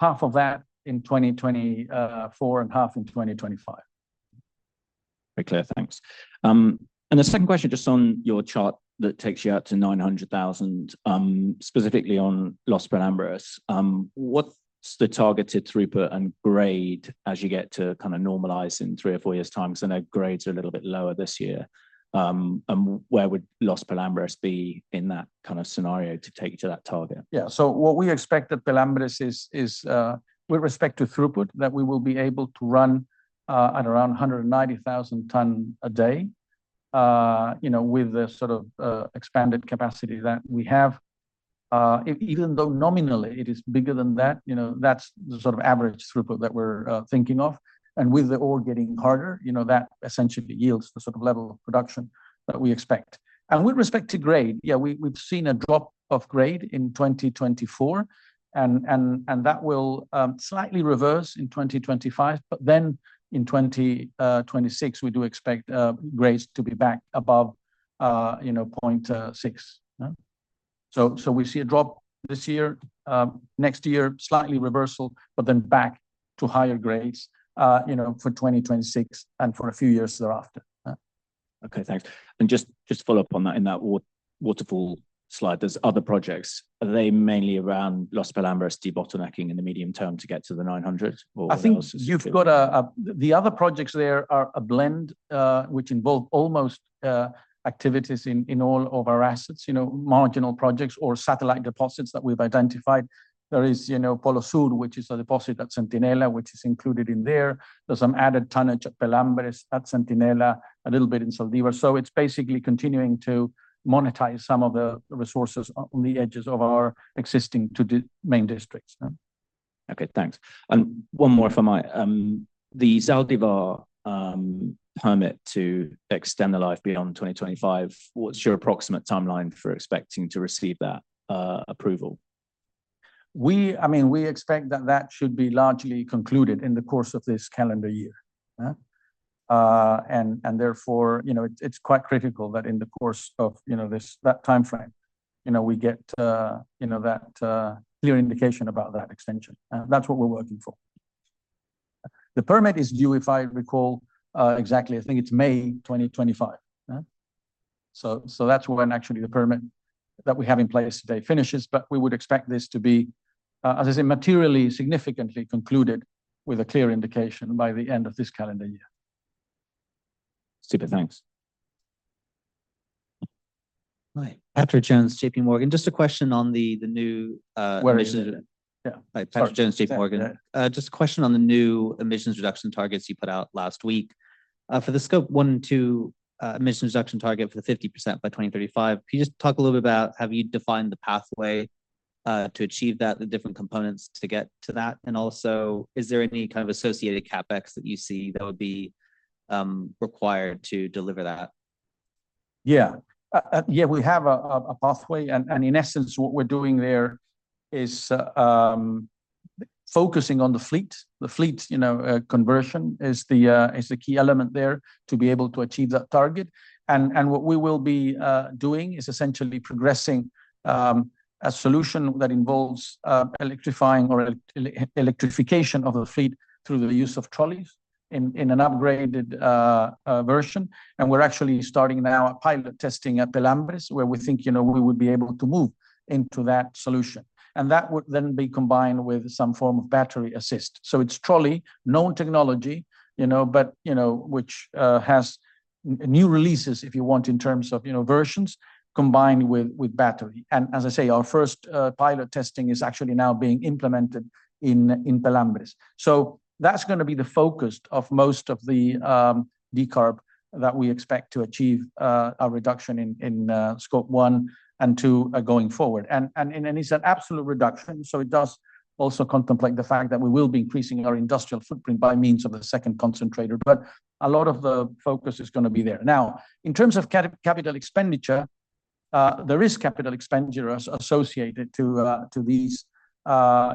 S1: about half of that in 2024 and half in 2025.
S6: Very clear. Thanks. The second question, just on your chart that takes you out to 900,000, specifically on Los Pelambres. What's the targeted throughput and grade as you get to kind of normalize in three or four years' time? Because I know grades are a little bit lower this year. Where would Los Pelambres be in that kind of scenario to take you to that target?
S1: Yeah. So what we expect at Pelambres is, with respect to throughput, that we will be able to run at around 190,000 ton a day, you know, with the sort of expanded capacity that we have. Even though nominally it is bigger than that, you know, that's the sort of average throughput that we're thinking of. And with the ore getting harder, you know, that essentially yields the sort of level of production that we expect. And with respect to grade, yeah, we've seen a drop of grade in 2024, and that will slightly reverse in 2025, but then in 2026, we do expect grades to be back above 0.6? So, we see a drop this year, next year, slightly reversal, but then back to higher grades, you know, for 2026 and for a few years thereafter.
S6: Okay, thanks. And just follow up on that. In that waterfall slide, there's other projects. Are they mainly around Los Pelambres debottlenecking in the medium term to get to the 900, or what else?
S1: I think you've got. The other projects there are a blend, which involve almost activities in, in all of our assets, you know, marginal projects or satellite deposits that we've identified. There is, you know, Polo Sur, which is a deposit at Centinela, which is included in there. There's some added tonnage at Pelambres, at Centinela, a little bit in Zaldívar. So it's basically continuing to monetize some of the resources on the edges of our existing two main districts. Yeah.
S6: Okay, thanks. And one more, if I might. The Zaldívar permit to extend the life beyond 2025, what's your approximate timeline for expecting to receive that approval?
S1: I mean, we expect that that should be largely concluded in the course of this calendar year. And therefore, you know, it's quite critical that in the course of, you know, this, that timeframe, you know, we get that clear indication about that extension. And that's what we're working for. The permit is due, if I recall, exactly, I think it's May 2025. Yeah? So that's when actually the permit that we have in place today finishes, but we would expect this to be, as I say, materially, significantly concluded with a clear indication by the end of this calendar year.
S6: Super. Thanks.
S8: Hi, Patrick Jones, J.P. Morgan. Just a question on the new emissions reduction targets you put out last week. For the Scope 1 and 2, emissions reduction target for the 50% by 2035, can you just talk a little bit about how have you defined the pathway, to achieve that, the different components to get to that? And also, is there any kind of associated CapEx that you see that would be required to deliver that?
S1: We have a pathway, and in essence, what we're doing there is focusing on the fleet. The fleet, you know, conversion is the key element there to be able to achieve that target. And what we will be doing is essentially progressing a solution that involves electrifying or electrification of the fleet through the use of trolleys in an upgraded version. And we're actually starting now a pilot testing at Pelambres, where we think, you know, we would be able to move into that solution. And that would then be combined with some form of battery assist. So it's trolley, known technology, you know, but you know which has new releases, if you want, in terms of, you know, versions combined with battery. And as I say, our first pilot testing is actually now being implemented in Pelambres. So that's gonna be the focus of most of the decarb that we expect to achieve, a reduction in Scope 1 and 2 going forward. And it's an absolute reduction, so it does also contemplate the fact that we will be increasing our industrial footprint by means of a second concentrator, but a lot of the focus is gonna be there. Now, in terms of capital expenditure, there is capital expenditure associated to these,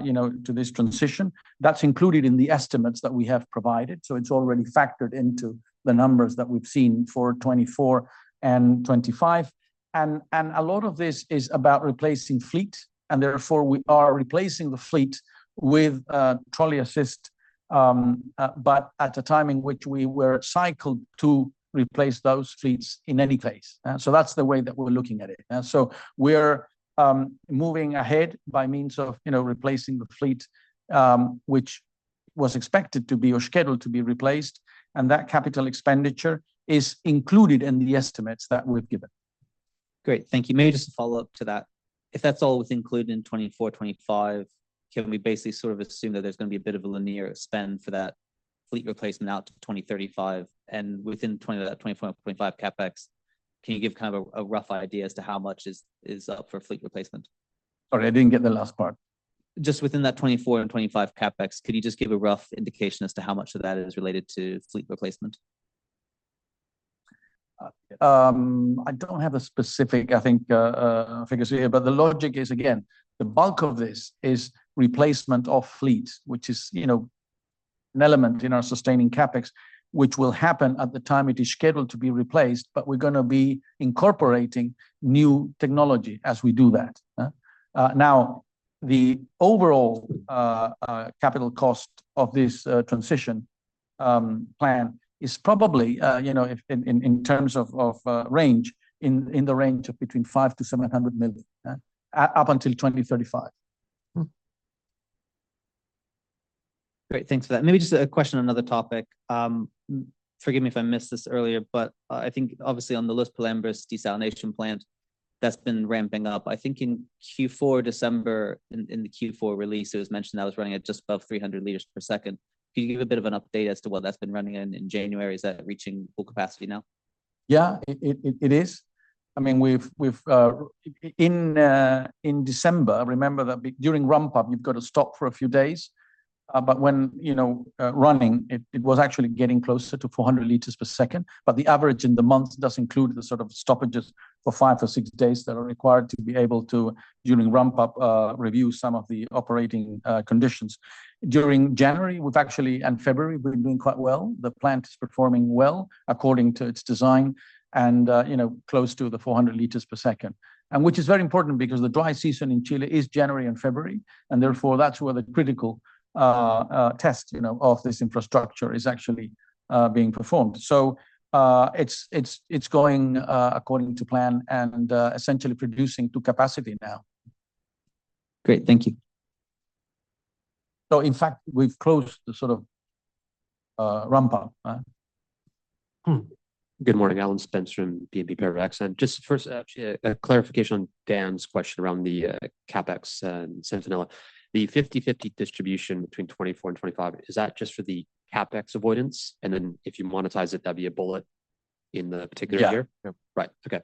S1: you know, to this transition. That's included in the estimates that we have provided, so it's already factored into the numbers that we've seen for 2024 and 2025. A lot of this is about replacing fleet, and therefore, we are replacing the fleet with Trolley Assist, but at a time in which we were cycled to replace those fleets in any case. So that's the way that we're looking at it. So we're moving ahead by means of, you know, replacing the fleet, which was expected to be or scheduled to be replaced, and that capital expenditure is included in the estimates that we've given.
S8: Great. Thank you. Maybe just a follow-up to that. If that's all included in 2024, 2025, can we basically sort of assume that there's gonna be a bit of a linear spend for that fleet replacement out to 2035, and within 2024-25 CapEx? Can you give a rough idea as to how much is up for fleet replacement?
S1: Sorry, I didn't get the last part.
S8: Just within that 2024 and 2025 CapEx, could you just give a rough indication as to how much of that is related to fleet replacement?
S1: I don't have a specific, I think, figure here, but the logic is, again, the bulk of this is replacement of fleet, which is, you know, an element in our sustaining CapEx, which will happen at the time it is scheduled to be replaced, but we're gonna be incorporating new technology as we do that. Now, the overall capital cost of this transition plan is probably, you know, in terms of range, in the range of between $500 million-$700 million up until 2035.
S8: Great. Thanks for that. Maybe just a question on another topic. Forgive me if I missed this earlier, but I think obviously on the Los Pelambres desalination plant, that's been ramping up. I think in Q4, December, in the Q4 release, it was mentioned that was running at just above 300 liters per second. Can you give a bit of an update as to what that's been running in January? Is that reaching full capacity now?
S1: Yeah, it is. I mean, we've in December, remember that during ramp up, you've got to stop for a few days. But when, you know, running it, it was actually getting closer to 400 liters per second. But the average in the month does include the sort of stoppages for five or six days that are required to be able to, during ramp up, review some of the operating conditions. During January, we've actually, and February, we're doing quite well. The plant is performing well according to its design and, you know, close to the 400 liters per second. And which is very important because the dry season in Chile is January and February, and therefore, that's where the critical test, you know, of this infrastructure is actually being performed. So, it's going according to plan and essentially producing to capacity now.
S8: Great. Thank you.
S1: So in fact, we've closed the sort of ramp up.
S9: Good morning, Alan Spence from BNP Paribas. And just first, actually, a clarification on Dan's question around the CapEx and Centinela. The 50/50 distribution between 2024 and 2025, is that just for the CapEx avoidance? And then, if you monetize it, that'd be a bullet in the particular year?
S1: Yeah.
S9: Right. Okay.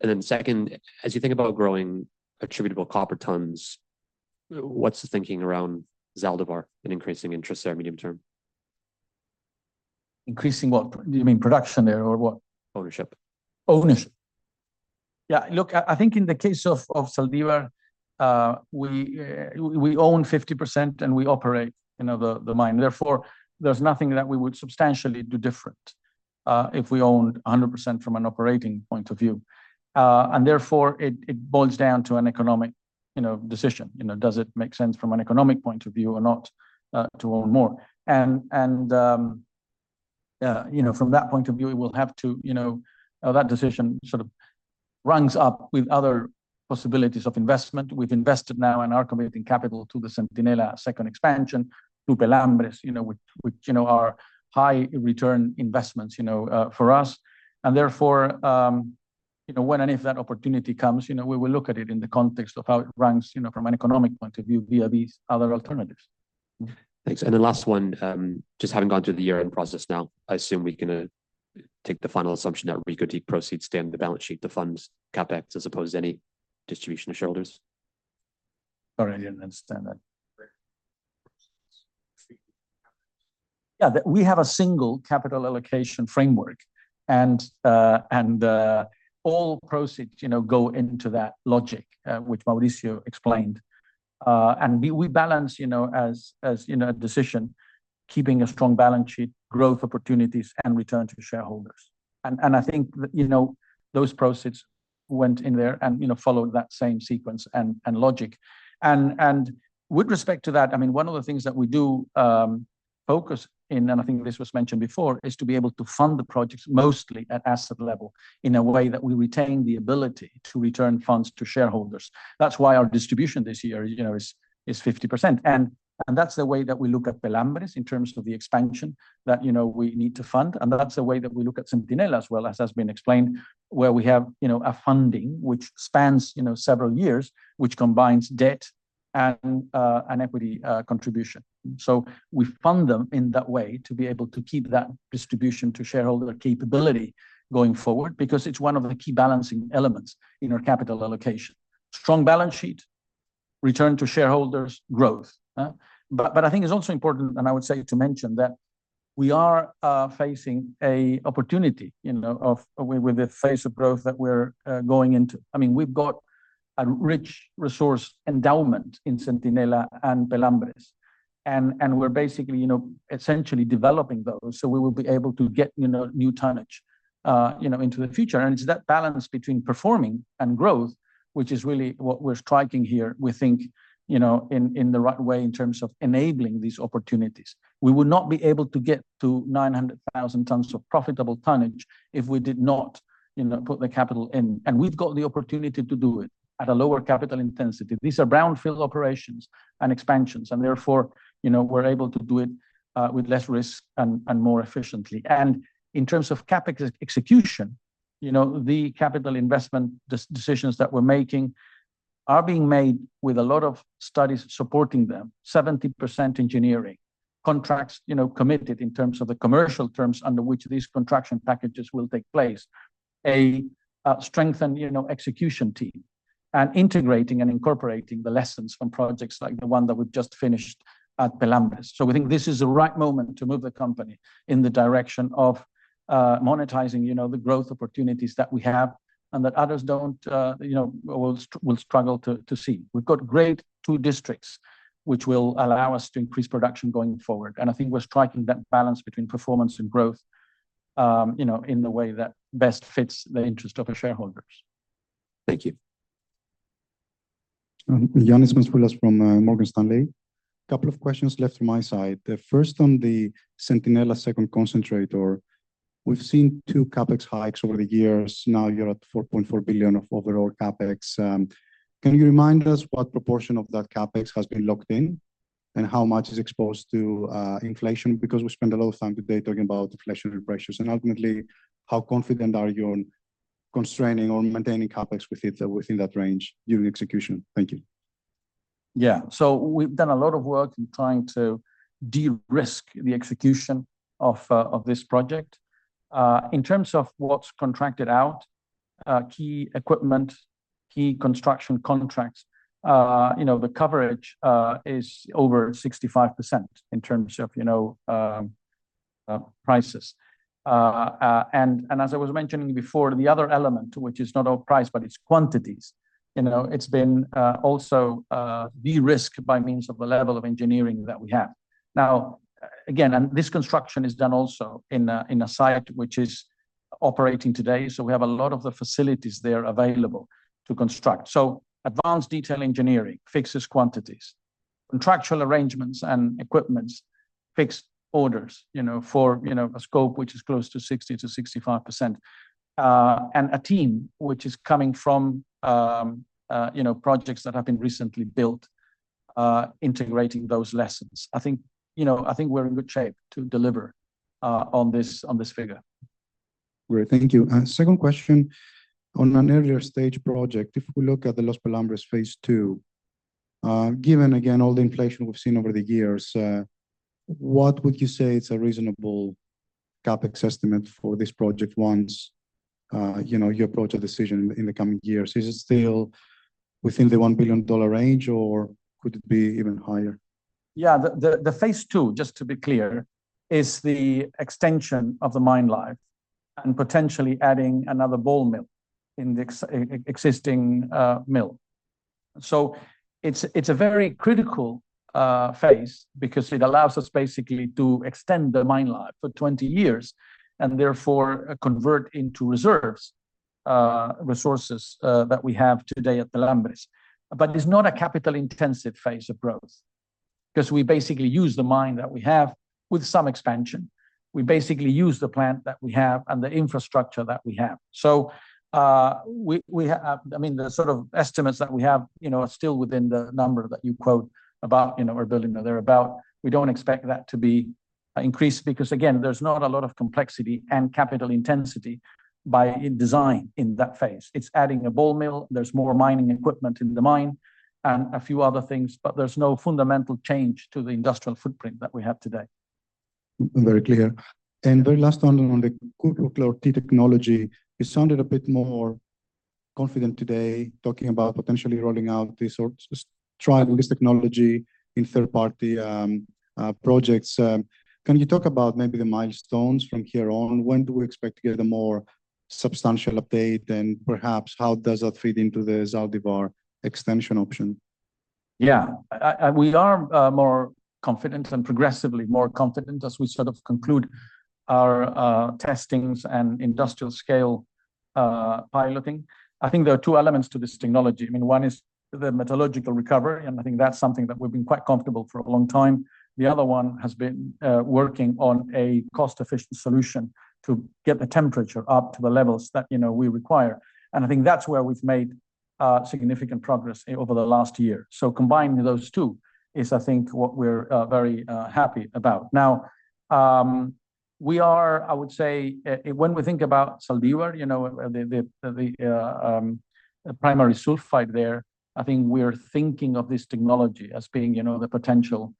S9: And then second, as you think about growing attributable copper tonnes, what's the thinking around Zaldívar and increasing interest there medium term?
S1: Increasing what? Do you mean production there or what?
S9: Ownership.
S1: Ownership. Yeah, look, I think in the case of Zaldívar, we own 50% and we operate, you know, the mine. Therefore, there's nothing that we would substantially do different if we owned 100% from an operating point of view. And therefore, it boils down to an economic, you know, decision. You know, does it make sense from an economic point of view or not to own more? And from that point of view, we'll have to. That decision sort of runs up with other possibilities of investment. We've invested now and are committing capital to the Centinela second expansion, to Pelambres, you know, which you know, are high return investments, you know, for us. And therefore, you know, when any of that opportunity comes, you know, we will look at it in the context of how it ranks, you know, from an economic point of view via these other alternatives.
S9: Thanks. And the last one, just having gone through the year-end process now, I assume we can take the final assumption that Reko Diq proceeds stay on the balance sheet to fund CapEx, as opposed to any distribution of shareholders?
S1: Sorry, I didn't understand that. Yeah, we have a single capital allocation framework, and all proceeds, you know, go into that logic, which Mauricio explained. We balance as in a decision, keeping a strong balance sheet, growth opportunities, and return to shareholders. Those proceeds went in there and, followed that same sequence and logic. And with respect to that, I mean, one of the things that we do, focus in, and I think this was mentioned before, is to be able to fund the projects mostly at asset level in a way that we retain the ability to return funds to shareholders. That's why our distribution this year is 50%. That's the way that we look at Pelambres in terms of the expansion that, you know, we need to fund, and that's the way that we look at Centinela as well as has been explained, where we have, you know, a funding which spans, you know, several years, which combines debt and an equity contribution. So we fund them in that way to be able to keep that distribution to shareholder capability going forward, because it's one of the key balancing elements in our capital allocation. Strong balance sheet, return to shareholders, growth? But I think it's also important, and I would say to mention, that we are facing an opportunity, you know, with the phase of growth that we're going into. I mean, we've got a rich resource endowment in Centinela and Pelambres, and we're basically, you know, essentially developing those, so we will be able to get, you know, new tonnage into the future. And it's that balance between performing and growth, which is really what we're striking here, we think, you know, in the right way in terms of enabling these opportunities. We would not be able to get to 900,000 tonnes of profitable tonnage if we did not, you know, put the capital in. And we've got the opportunity to do it at a lower capital intensity. These are brownfield operations and expansions, and therefore, you know, we're able to do it with less risk and more efficiently. In terms of CapEx execution, you know, the capital investment decisions that we're making are being made with a lot of studies supporting them. 70% engineering, contracts, you know, committed in terms of the commercial terms under which these construction packages will take place, a strengthened, you know, execution team, and integrating and incorporating the lessons from projects like the one that we've just finished at Pelambres. So we think this is the right moment to move the company in the direction of monetizing, you know, the growth opportunities that we have and that others don't, you know, will struggle to see. We've got great two districts, which will allow us to increase production going forward, and I think we're striking that balance between performance and growth, you know, in the way that best fits the interest of the shareholders.
S9: Thank you.
S10: Ioannis Masvoulas from Morgan Stanley. A couple of questions left from my side. The first on the Centinela second concentrator. We've seen two CapEx hikes over the years. Now you're at $4.4 billion of overall CapEx. Can you remind us what proportion of that CapEx has been locked in, and how much is exposed to inflation? Because we spent a lot of time today talking about inflationary pressures. Ultimately, how confident are you on constraining or maintaining CapEx within that range during execution? Thank you.
S1: Yeah, so we've done a lot of work in trying to de-risk the execution of this project. In terms of what's contracted out, key equipment, key construction contracts, you know, the coverage is over 65% in terms of, you know, prices. And as I was mentioning before, the other element, which is not all price, but it's quantities, you know, it's been also de-risked by means of the level of engineering that we have. Now, again, and this construction is done also in a site which is operating today, so we have a lot of the facilities there available to construct. So advanced detail engineering fixes quantities, contractual arrangements and equipments, fixed orders, you know, for a Scope which is close to 60%-65%. A team, which is coming from, you know, projects that have been recently built, integrating those lessons. I think, you know, I think we're in good shape to deliver on this, on this figure.
S10: Great. Thank you. Second question. On an earlier stage project, if we look at the Los Pelambres phase 2, given again, all the inflation we've seen over the years, what would you say is a reasonable CapEx estimate for this project once, you know, you approach a decision in the coming years? Is it still within the $1 billion range, or could it be even higher?
S1: Yeah, Phase 2, just to be clear, is the extension of the mine life, and potentially adding another ball mill in the existing mill. So it's a very critical phase because it allows us basically to extend the mine life for 20 years, and therefore convert into reserves resources that we have today at Pelambres. But it's not a capital-intensive phase of growth, because we basically use the mine that we have with some expansion. We basically use the plant that we have and the infrastructure that we have. So, I mean, the sort of estimates that we have, you know, are still within the number that you quote about, you know, or building or thereabout. We don't expect that to be increased, because again, there's not a lot of complexity and capital intensity by design in that phase. It's adding a ball mill, there's more mining equipment in the mine, and a few other things, but there's no fundamental change to the industrial footprint that we have today.
S10: Very clear. And very last one on the Cuprochlor-T technology. You sounded a bit more confident today talking about potentially rolling out this or trying this technology in third-party projects. Can you talk about maybe the milestones from here on? When do we expect to get a more substantial update, and perhaps how does that fit into the Zaldívar extension option?
S1: We are more confident and progressively more confident as we sort of conclude our testings and industrial scale piloting. I think there are two elements to this technology. I mean, one is the metallurgical recovery, and I think that's something that we've been quite comfortable for a long time. The other one has been working on a cost-efficient solution to get the temperature up to the levels that, you know, we require, and I think that's where we've made significant progress over the last year. So combining those two is, I think, what we're very happy about. Now, we are, I would say, when we think about Zaldívar, you know, the primary sulfide there, I think we're thinking of this technology as being, you know, the potential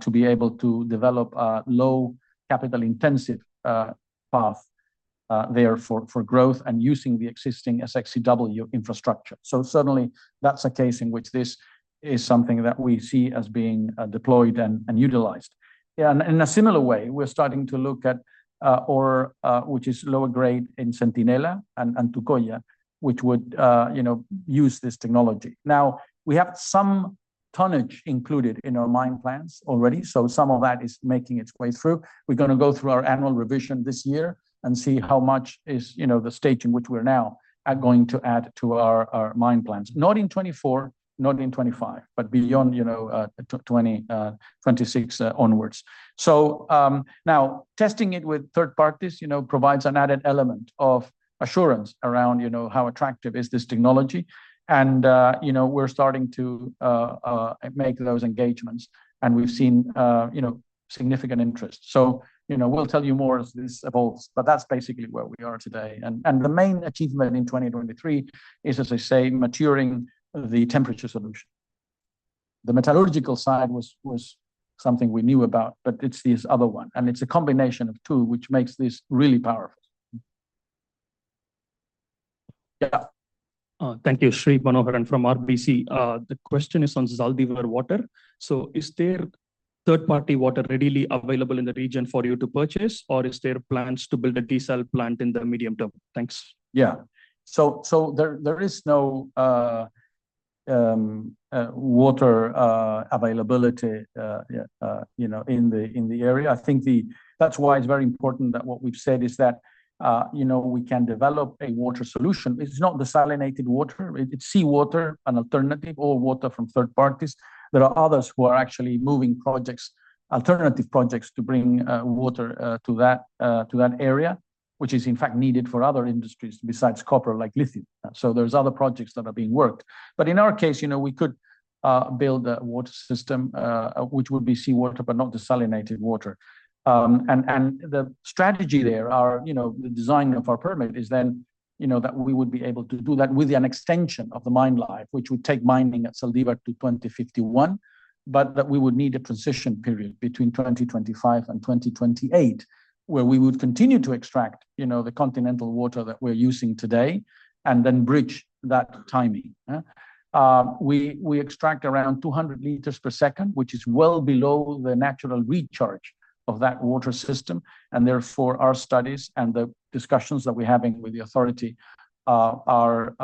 S1: to be able to develop a low capital-intensive path there for growth and using the existing SX-EW infrastructure. So certainly that's a case in which this is something that we see as being deployed and utilized. Yeah, and in a similar way, we're starting to look at ore which is lower grade in Centinela and Antucoya, which would, you know, use this technology. Now, we have some tonnage included in our mine plans already, so some of that is making its way through. We're gonna go through our annual revision this year and see how much is, you know, the stage in which we're now at going to add to our, our mine plans. Not in 2024, not in 2025, but beyond, you know, 2026 onwards. So, now testing it with third parties, you know, provides an added element of assurance around, you know, how attractive is this technology. And, you know, we're starting to make those engagements, and we've seen, you know, significant interest. So, you know, we'll tell you more as this evolves, but that's basically where we are today. And the main achievement in 2023 is, as I say, maturing the temperature solution. The metallurgical side was something we knew about, but it's this other one, and it's a combination of two, which makes this really powerful. Yeah.
S11: Thank you. Sri Manoharan from RBC. The question is on Zaldívar water. So is there third-party water readily available in the region for you to purchase, or is there plans to build a desal plant in the medium term? Thanks.
S1: Yeah. So there is no water availability, you know, in the area. I think that's why it's very important that what we've said is that, you know, we can develop a water solution. It's not desalinated water, it's seawater, an alternative, or water from third parties. There are others who are actually moving projects, alternative projects, to bring water to that area, which is in fact needed for other industries besides copper, like lithium. So there's other projects that are being worked. But in our case, you know, we could build a water system, which would be seawater, but not desalinated water. And the strategy there are, you know, the design of our permit is then, that we would be able to do that with an extension of the mine life, which would take mining at Zaldívar to 2051, but that we would need a transition period between 2025 and 2028, where we would continue to extract, you know, the continental water that we're using today, and then bridge that timing, yeah? We extract around 200 liters per second, which is well below the natural recharge of that water system, and therefore, our studies and the discussions that we're having with the authority are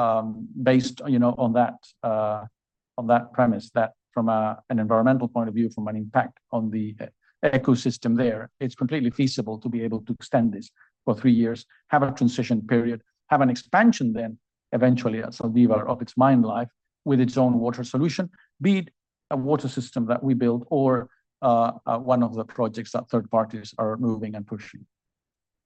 S1: based, you know, on that premise. That from an environmental point of view, from an impact on the ecosystem there, it's completely feasible to be able to extend this for three years, have a transition period, have an expansion then, eventually, as Zaldívar of its mine life, with its own water solution, be it a water system that we build or one of the projects that third parties are moving and pushing.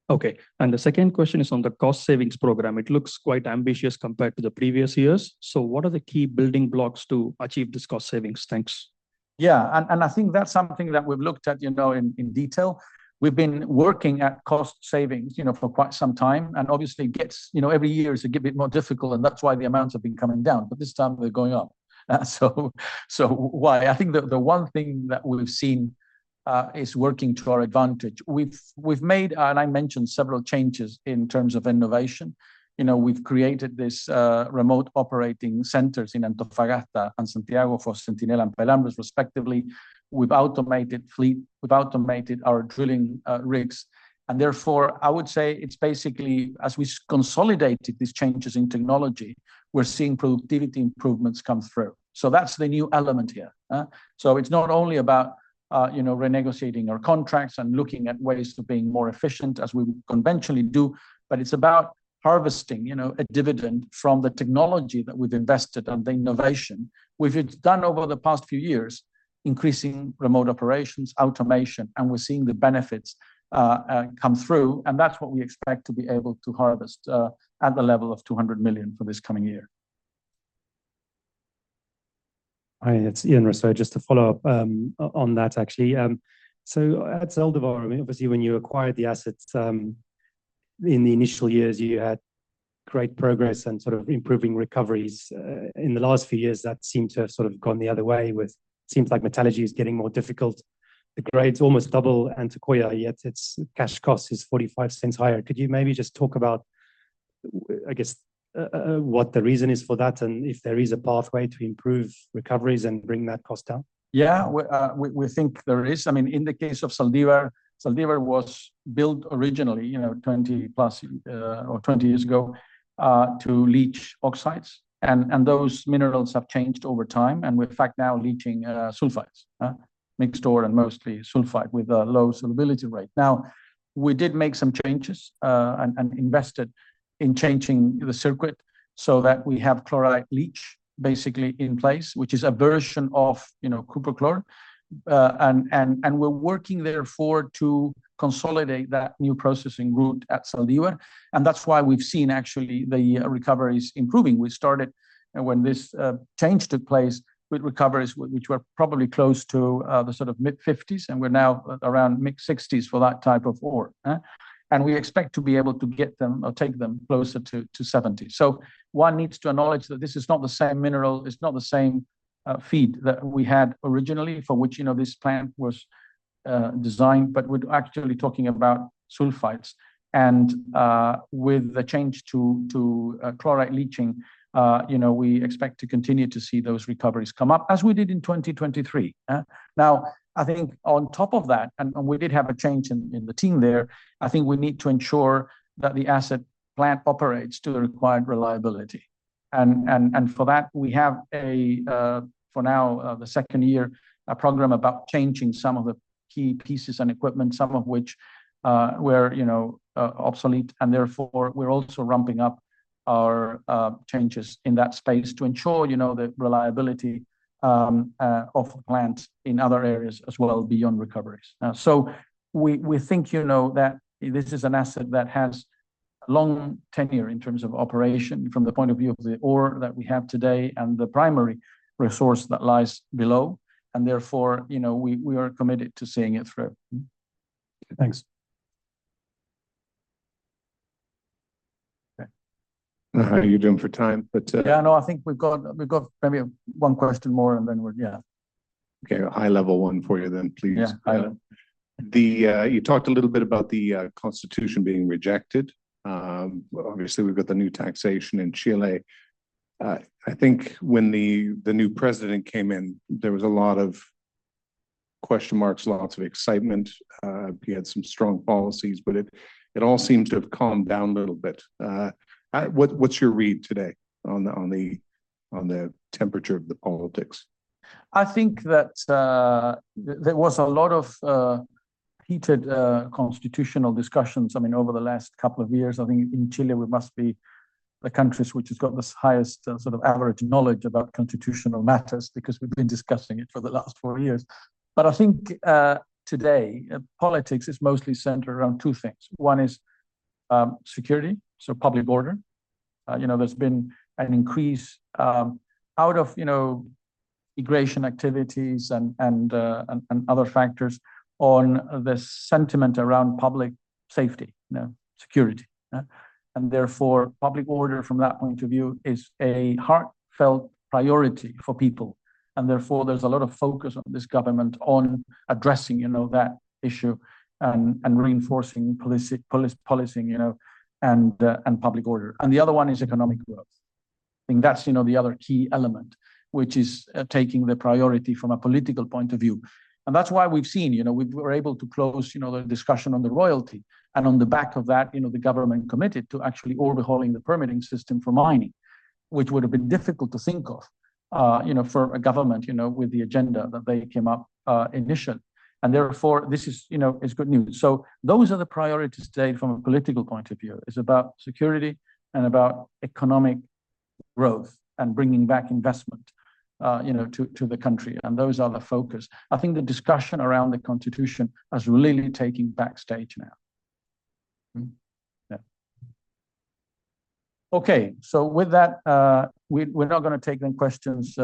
S11: Okay, and the second question is on the cost savings program. It looks quite ambitious compared to the previous years. So what are the key building blocks to achieve this cost savings? Thanks.
S1: Yeah. And I think that's something that we've looked at, you know, in detail. We've been working at cost savings, you know, for quite some time, and obviously it gets, you know, every year it's a bit more difficult, and that's why the amounts have been coming down, but this time they're going up. So why? I think the one thing that we've seen is working to our advantage. We've made, and I mentioned several changes in terms of innovation. You know, we've created this remote operating centers in Antofagasta and Santiago for Centinela and Los Pelambres, respectively. We've automated fleet, we've automated our drilling rigs, and therefore, I would say it's basically, as we consolidated these changes in technology, we're seeing productivity improvements come through. So that's the new element here. So it's not only about, you know, renegotiating our contracts and looking at ways to being more efficient, as we conventionally do, but it's about harvesting, you know, a dividend from the technology that we've invested and the innovation we've done over the past few years, increasing remote operations, automation, and we're seeing the benefits come through, and that's what we expect to be able to harvest at the level of $200 million for this coming year.
S5: Hi, it's Ian Rossouw. Just to follow up on that, actually. So at Zaldívar, I mean, obviously when you acquired the assets in the initial years, you had great progress and sort of improving recoveries. In the last few years, that seemed to have sort of gone the other way with seems like metallurgy is getting more difficult. The grades almost double Antucoya, yet its cash cost is $0.45 higher. Could you maybe just talk about, I guess, what the reason is for that, and if there is a pathway to improve recoveries and bring that cost down?
S1: We think there is. In the case of Zaldívar, Zaldívar was built originally, you know, 20+, or 20 years ago, to leach oxides, and those minerals have changed over time, and we're in fact now leaching sulfides, mixed ore and mostly sulfide, with a low solubility rate. Now, we did make some changes, and invested in changing the circuit so that we have chloride leach basically in place, which is a version of Cuprochlor. And we're working therefore to consolidate that new processing route at Zaldívar, and that's why we've seen actually the recoveries improving. We started, when this change took place, with recoveries, which were probably close to the sort of mid-50s, and we're now around mid-60s for that type of ore? And we expect to be able to get them or take them closer to 70. So one needs to acknowledge that this is not the same mineral, it's not the same feed that we had originally, for which, you know, this plant was designed, but we're actually talking about sulfides. And with the change to chloride leaching, you know, we expect to continue to see those recoveries come up, as we did in 2023. Now, I think on top of that, and we did have a change in the team there, I think we need to ensure that the asset plant operates to the required reliability. For that, we have, for now, the second year, a program about changing some of the key pieces and equipment, some of which were, you know, obsolete. Therefore, we're also ramping up our changes in that space to ensure, you know, the reliability of the plant in other areas as well, beyond recoveries. We think, you know, that this is an asset that has long tenure in terms of operation from the point of view of the ore that we have today and the primary resource that lies below, and therefore, you know, we are committed to seeing it through.
S5: Thanks.
S4: How are you doing for time?
S1: Yeah, no, I think we've got, we've got maybe one question more.
S4: Okay, a high-level one for you then, please.
S1: Yeah, high level.
S4: You talked a little bit about the Constitution being rejected. Obviously we've got the new taxation in Chile. I think when the new president came in, there was a lot of question marks, lots of excitement. He had some strong policies, but it all seems to have calmed down a little bit. What's your read today on the temperature of the politics?
S1: I think that, there was a lot of, heated, constitutional discussions. I mean, over the last couple of years, I think in Chile, we must be the countries which has got the highest, sort of average knowledge about constitutional matters, because we've been discussing it for the last four years. But I think, today, politics is mostly centered around two things. One is, security, so public order. You know, there's been an increase, out of, you know, immigration activities and other factors on the sentiment around public safety, you know, security? And therefore, public order from that point of view, is a heartfelt priority for people, and therefore, there's a lot of focus on this government on addressing, you know, that issue, and reinforcing policing, you know, and public order. The other one is economic growth. I think that's, you know, the other key element, which is taking the priority from a political point of view. That's why we've seen, you know, we're able to close, you know, the discussion on the royalty, and on the back of that, you know, the government committed to actually overhauling the permitting system for mining, which would have been difficult to think of, you know, for a government, you know, with the agenda that they came up initially. Therefore, this is, you know, is good news. Those are the priorities today from a political point of view, is about security and about economic growth and bringing back investment to the country, and those are the focus. I think the discussion around the Constitution has really taken a backseat now. Okay, so with that we're not gonna take any questions,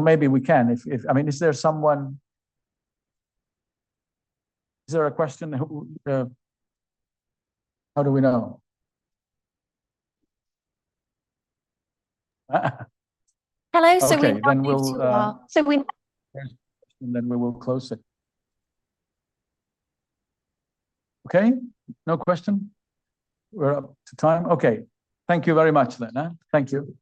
S1: maybe we can, Is there a question? How do we know? Then we will close it. Okay? No question. We're up to time. Okay. Thank you very much then. Thank you.